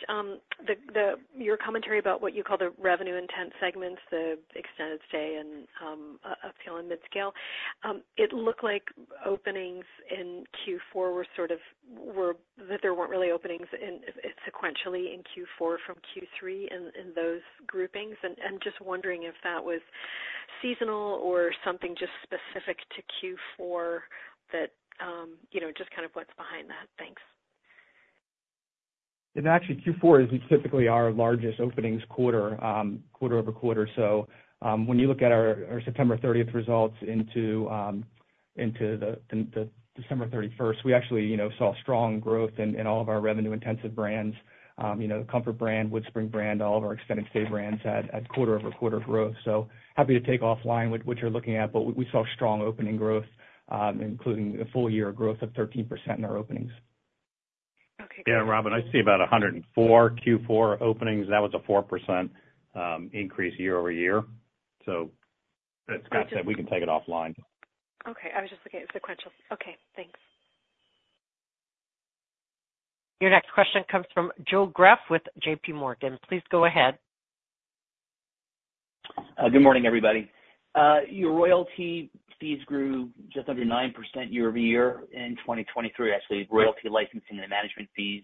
your commentary about what you call the revenue-intense segments, the extended stay and upscale and midscale. It looked like openings in Q4 were sort of that there weren't really openings sequentially in Q4 from Q3 in those groupings. Just wondering if that was seasonal or something just specific to Q4, just kind of what's behind that. Thanks. Yeah. Actually, Q4 is typically our largest openings quarter, quarter over quarter. So when you look at our September 30th results into the December 31st, we actually saw strong growth in all of our revenue-intensive brands, the Comfort brand, WoodSpring brand, all of our extended stay brands had quarter-over-quarter growth. So happy to take offline what you're looking at, but we saw strong opening growth, including the full-year growth of 13% in our openings. Okay. Great. Yeah. Robin, I see about 104 Q4 openings. That was a 4% increase year-over-year. So that's got to say we can take it offline. Okay. I was just looking at sequential. Okay. Thanks. Your next question comes from Joe Greff with J.P. Morgan. Please go ahead. Good morning, everybody. Your royalty fees grew just under 9% year over year in 2023, actually, royalty licensing and management fees,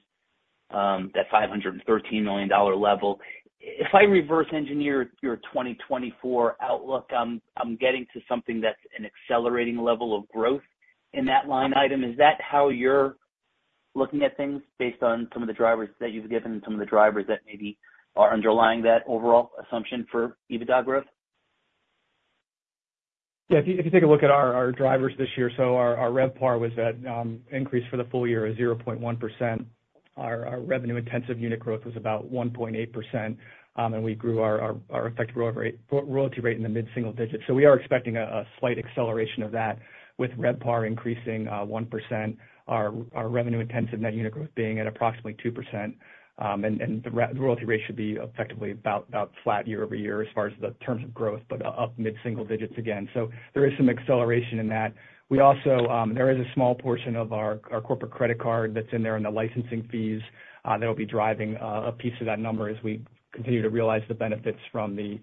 that $513 million level. If I reverse-engineer your 2024 outlook, I'm getting to something that's an accelerating level of growth in that line item. Is that how you're looking at things based on some of the drivers that you've given and some of the drivers that maybe are underlying that overall assumption for EBITDA growth? Yeah. If you take a look at our drivers this year, so our RevPAR was an increase for the full year of 0.1%. Our revenue-intensive unit growth was about 1.8%. And we grew our effective royalty rate in the mid-single digits. So we are expecting a slight acceleration of that with RevPAR increasing 1%, our revenue-intensive net unit growth being at approximately 2%. And the royalty rate should be effectively about flat year-over-year as far as the terms of growth, but up mid-single digits again. So there is some acceleration in that. There is a small portion of our corporate credit card that's in there in the licensing fees that will be driving a piece of that number as we continue to realize the benefits from the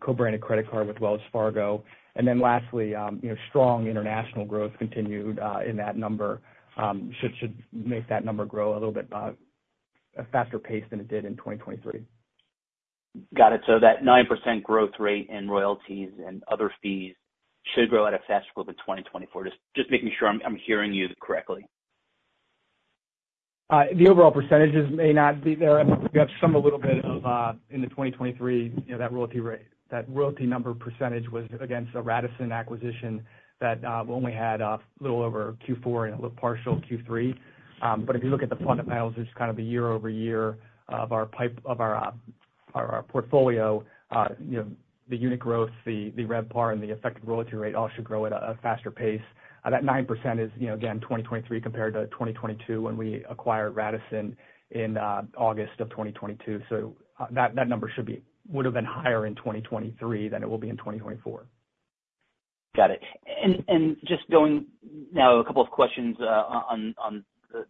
co-branded credit card with Wells Fargo. And then lastly, strong international growth continued in that number should make that number grow a little bit faster-paced than it did in 2023. Got it. So that 9% growth rate in royalties and other fees should grow at a faster growth in 2024, just making sure I'm hearing you correctly. The overall percentages may not be there. I think we have some a little bit of in the 2023, that royalty number percentage was against a Radisson acquisition that only had a little over Q4 and a little partial Q3. But if you look at the fundamentals, it's just kind of the year-over-year of our portfolio, the unit growth, the RevPAR, and the effective royalty rate all should grow at a faster pace. That 9% is, again, 2023 compared to 2022 when we acquired Radisson in August of 2022. So that number would have been higher in 2023 than it will be in 2024. Got it. And just going now, a couple of questions on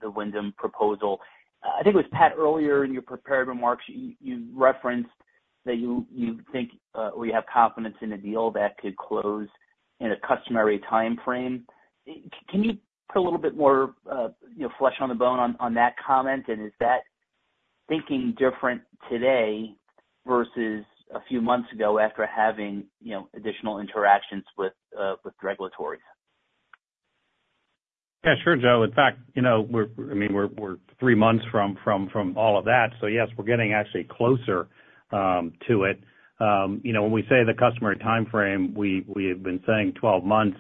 the Wyndham proposal. I think it was Pat earlier in your prepared remarks. You referenced that you think or you have confidence in a deal that could close in a customary timeframe. Can you put a little bit more flesh on the bone on that comment? And is that thinking different today versus a few months ago after having additional interactions with the regulators? Yeah. Sure, Joe. In fact, I mean, we're 3 months from all of that. So yes, we're getting actually closer to it. When we say the customary timeframe, we have been saying 12 months.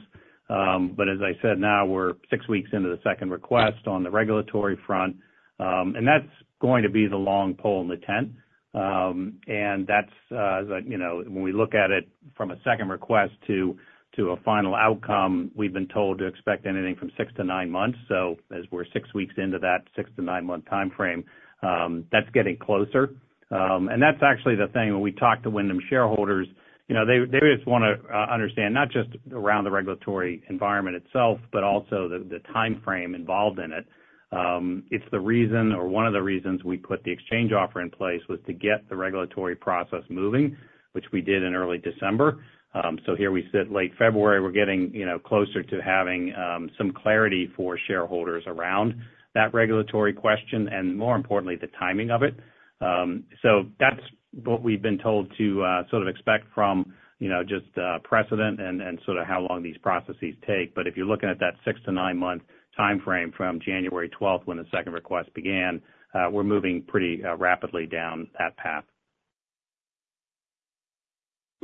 But as I said, now we're 6 weeks into the Second Request on the regulatory front. And that's going to be the long pole in the tent. And when we look at it from a Second Request to a final outcome, we've been told to expect anything from 6-9 months. So as we're 6 weeks into that 6-9-month timeframe, that's getting closer. And that's actually the thing. When we talk to Wyndham shareholders, they just want to understand not just around the regulatory environment itself, but also the timeframe involved in it. It's the reason or one of the reasons we put the exchange offer in place was to get the regulatory process moving, which we did in early December. So here we sit late February. We're getting closer to having some clarity for shareholders around that regulatory question and, more importantly, the timing of it. So that's what we've been told to sort of expect from just precedent and sort of how long these processes take. But if you're looking at that 6-to-9-month timeframe from January 12th when the Second Request began, we're moving pretty rapidly down that path.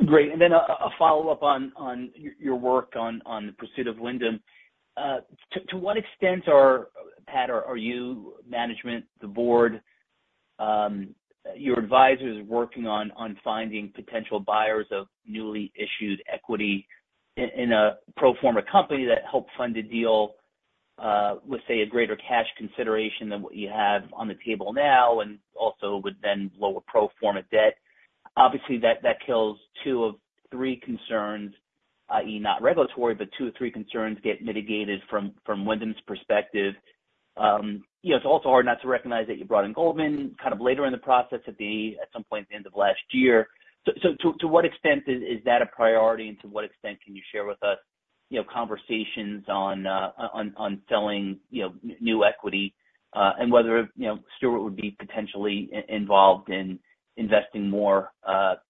Great. Then a follow-up on your work on the pursuit of Wyndham. To what extent, Pat, are you, management, the board, your advisors working on finding potential buyers of newly issued equity in a pro forma company that help fund a deal with, say, a greater cash consideration than what you have on the table now and also would then lower pro forma debt? Obviously, that kills two of three concerns, i.e., not regulatory, but two of three concerns get mitigated from Wyndham's perspective. It's also hard not to recognize that you brought in Goldman kind of later in the process at some point at the end of last year. So to what extent is that a priority, and to what extent can you share with us conversations on selling new equity and whether Stewart would be potentially involved in investing more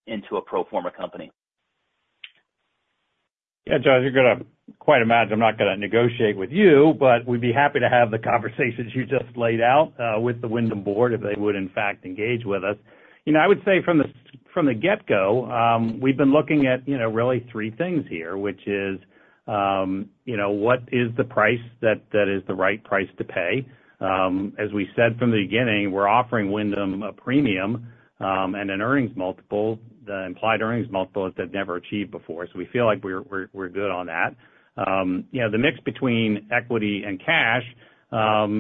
into a pro forma company? Yeah, Joe, as you're going to quite imagine, I'm not going to negotiate with you, but we'd be happy to have the conversations you just laid out with the Wyndham board if they would, in fact, engage with us. I would say from the get-go, we've been looking at really three things here, which is what is the price that is the right price to pay? As we said from the beginning, we're offering Wyndham a premium and an implied earnings multiple that they've never achieved before. So we feel like we're good on that. The mix between equity and cash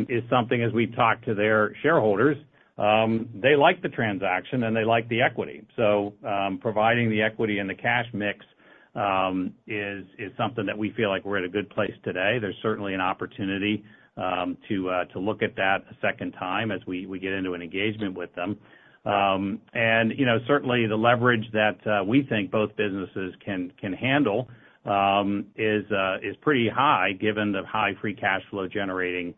is something, as we've talked to their shareholders, they like the transaction, and they like the equity. So providing the equity and the cash mix is something that we feel like we're at a good place today. There's certainly an opportunity to look at that a second time as we get into an engagement with them. Certainly, the leverage that we think both businesses can handle is pretty high given the high free cash flow-generating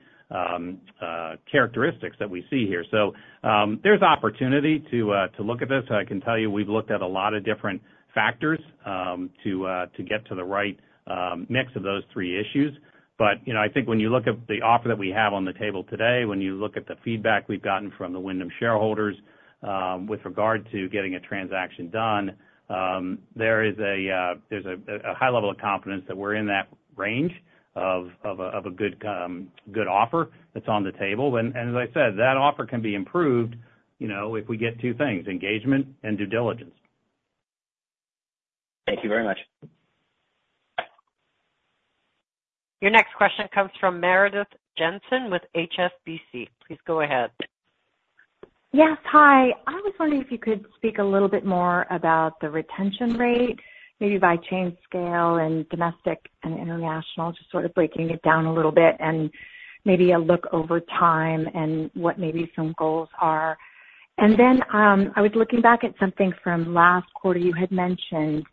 characteristics that we see here. There's opportunity to look at this. I can tell you we've looked at a lot of different factors to get to the right mix of those three issues. But I think when you look at the offer that we have on the table today, when you look at the feedback we've gotten from the Wyndham shareholders with regard to getting a transaction done, there's a high level of confidence that we're in that range of a good offer that's on the table. As I said, that offer can be improved if we get two things, engagement and due diligence. Thank you very much. Your next question comes from Meredith Jensen with HSBC. Please go ahead. Yes. Hi. I was wondering if you could speak a little bit more about the retention rate, maybe by chain scale, and domestic and international, just sort of breaking it down a little bit and maybe a look over time and what maybe some goals are. Then I was looking back at something from last quarter. You had mentioned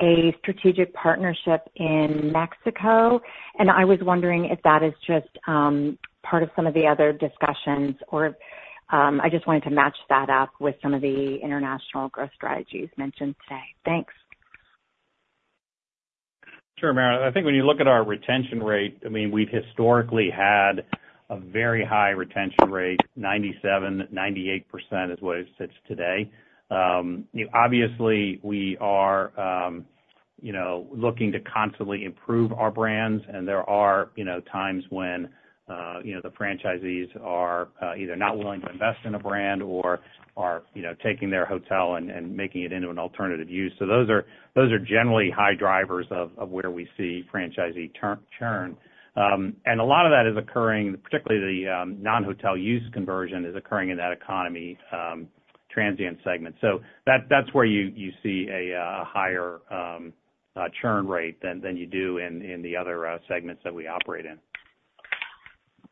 a strategic partnership in Mexico. And I was wondering if that is just part of some of the other discussions, or I just wanted to match that up with some of the international growth strategies mentioned today. Thanks. Sure, Meredith. I think when you look at our retention rate, I mean, we've historically had a very high retention rate, 97%-98% is what it sits today. Obviously, we are looking to constantly improve our brands. There are times when the franchisees are either not willing to invest in a brand or are taking their hotel and making it into an alternative use. Those are generally high drivers of where we see franchisee churn. A lot of that is occurring, particularly the non-hotel use conversion is occurring in that economy transient segment. That's where you see a higher churn rate than you do in the other segments that we operate in.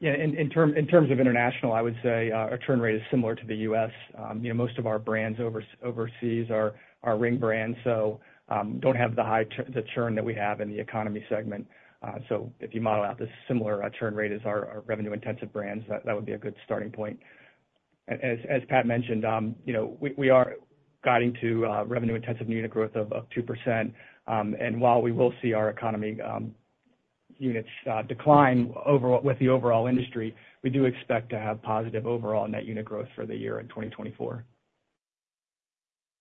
Yeah. In terms of international, I would say our churn rate is similar to the U.S. Most of our brands overseas are midscale brands, so don't have the churn that we have in the economy segment. So if you model out this similar churn rate as our revenue-intensive brands, that would be a good starting point. As Pat mentioned, we are guiding to revenue-intensive unit growth of 2%. While we will see our economy units decline with the overall industry, we do expect to have positive overall net unit growth for the year in 2024.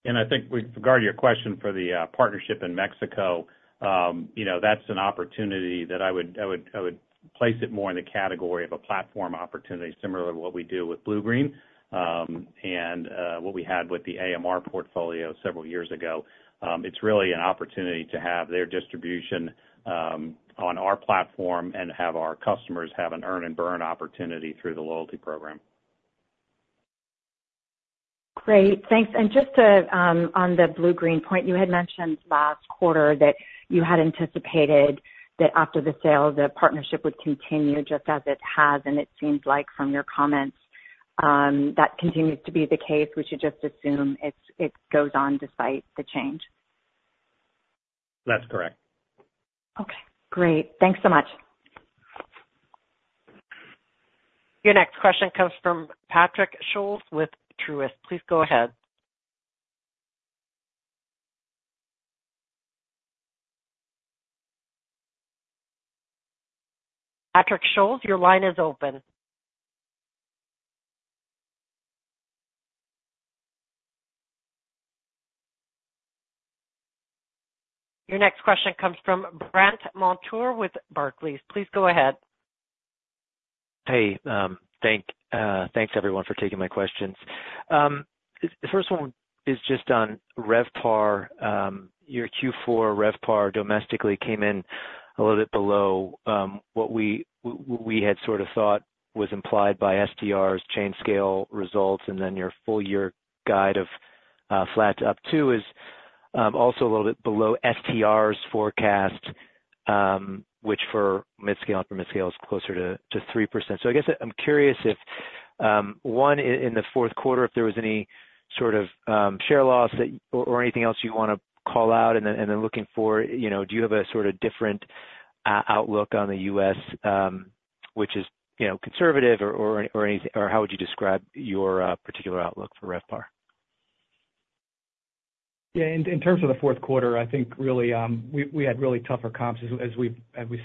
I think with regard to your question for the partnership in Mexico, that's an opportunity that I would place it more in the category of a platform opportunity, similar to what we do with Bluegreen and what we had with the AMR portfolio several years ago. It's really an opportunity to have their distribution on our platform and have our customers have an earn-and-burn opportunity through the loyalty program. Great. Thanks. And just on the Bluegreen point, you had mentioned last quarter that you had anticipated that after the sale, the partnership would continue just as it has. It seems like from your comments, that continues to be the case. We should just assume it goes on despite the change. That's correct. Okay. Great. Thanks so much. Your next question comes from Patrick Scholes with Truist. Please go ahead. Patrick Scholes, your line is open. Your next question comes from Brandt Montour with Barclays. Please go ahead. Hey. Thanks, everyone, for taking my questions. The first one is just on RevPAR. Your Q4 RevPAR domestically came in a little bit below what we had sort of thought was implied by STR's chain-scale results. And then your full-year guide of flat to up to is also a little bit below STR's forecast, which for mid-scale and upper mid-scale is closer to 3%. So I guess I'm curious if, one, in the fourth quarter, if there was any sort of share loss or anything else you want to call out. And then looking forward, do you have a sort of different outlook on the U.S., which is conservative, or how would you describe your particular outlook for RevPAR? Yeah. In terms of the fourth quarter, I think really we had really tougher comps. As we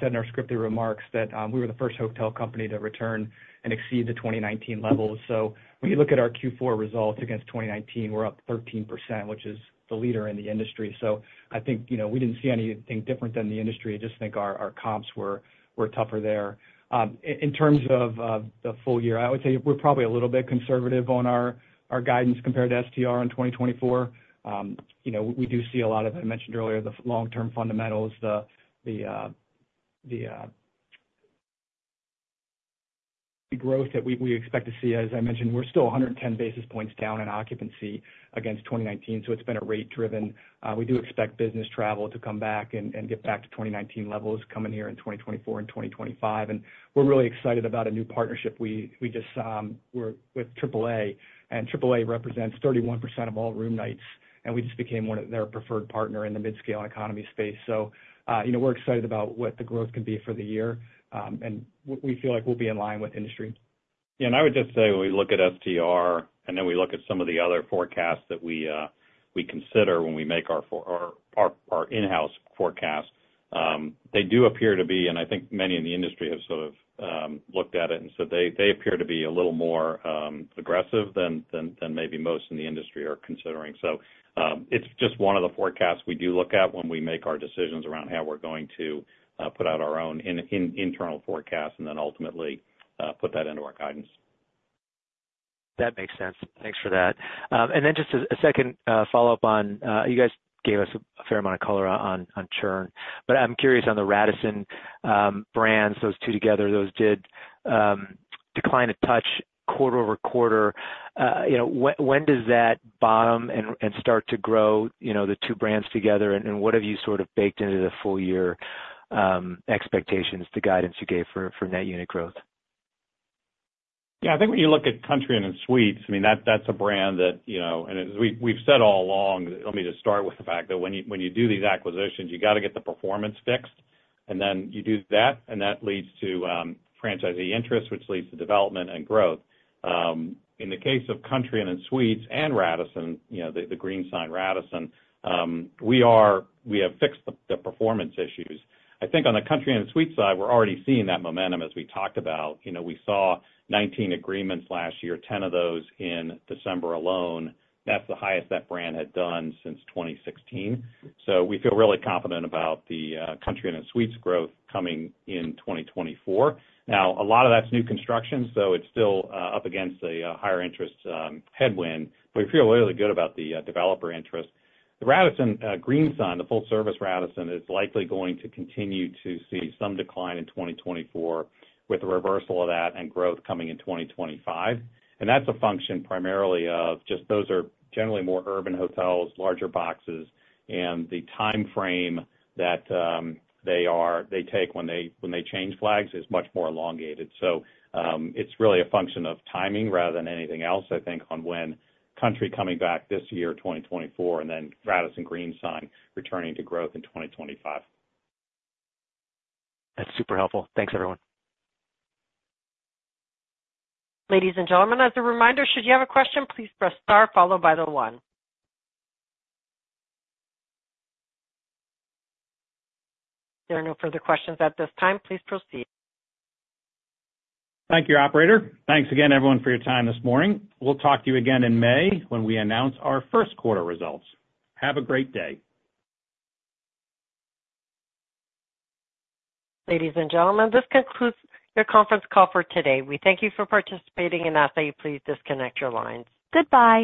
said in our scripted remarks, that we were the first hotel company to return and exceed the 2019 levels. So when you look at our Q4 results against 2019, we're up 13%, which is the leader in the industry. So I think we didn't see anything different than the industry. I just think our comps were tougher there. In terms of the full year, I would say we're probably a little bit conservative on our guidance compared to STR in 2024. We do see a lot of, as I mentioned earlier, the long-term fundamentals, the growth that we expect to see. As I mentioned, we're still 110 basis points down in occupancy against 2019. So it's been a rate-driven. We do expect business travel to come back and get back to 2019 levels coming here in 2024 and 2025. And we're really excited about a new partnership we just were with AAA. And AAA represents 31% of all room nights. And we just became one of their preferred partner in the mid-scale and economy space. So we're excited about what the growth can be for the year. And we feel like we'll be in line with industry. Yeah. And I would just say when we look at STR and then we look at some of the other forecasts that we consider when we make our in-house forecast, they do appear to be, and I think many in the industry have sort of looked at it and said they appear to be a little more aggressive than maybe most in the industry are considering. So it's just one of the forecasts we do look at when we make our decisions around how we're going to put out our own internal forecast and then ultimately put that into our guidance. That makes sense. Thanks for that. And then just a second follow-up on, you guys gave us a fair amount of color on churn. But I'm curious on the Radisson brands, those two together, those did decline a touch quarter-over-quarter. When does that bottom and start to grow the two brands together? And what have you sort of baked into the full-year expectations, the guidance you gave for net unit growth? Yeah. I think when you look at Country Inn & Suites, I mean, that's a brand that and as we've said all along, let me just start with the fact that when you do these acquisitions, you got to get the performance fixed. And then you do that, and that leads to franchisee interest, which leads to development and growth. In the case of Country Inn & Suites and Radisson, the green sign Radisson, we have fixed the performance issues. I think on the Country Inn & Suites side, we're already seeing that momentum as we talked about. We saw 19 agreements last year, 10 of those in December alone. That's the highest that brand had done since 2016. So we feel really confident about the Country Inn & Suites growth coming in 2024. Now, a lot of that's new construction, so it's still up against a higher interest headwind. But we feel really good about the developer interest. The green sign, the full-service Radisson, is likely going to continue to see some decline in 2024 with the reversal of that and growth coming in 2025. And that's a function primarily of just those are generally more urban hotels, larger boxes. And the timeframe that they take when they change flags is much more elongated. So it's really a function of timing rather than anything else, I think, on when Country coming back this year, 2024, and then Radisson green sign returning to growth in 2025. That's super helpful. Thanks, everyone. Ladies and gentlemen, as a reminder, should you have a question, please press star followed by the one. There are no further questions at this time. Please proceed. Thank you, operator. Thanks again, everyone, for your time this morning. We'll talk to you again in May when we announce our first quarter results. Have a great day. Ladies and gentlemen, this concludes your conference call for today. We thank you for participating in that. Please disconnect your lines. Goodbye.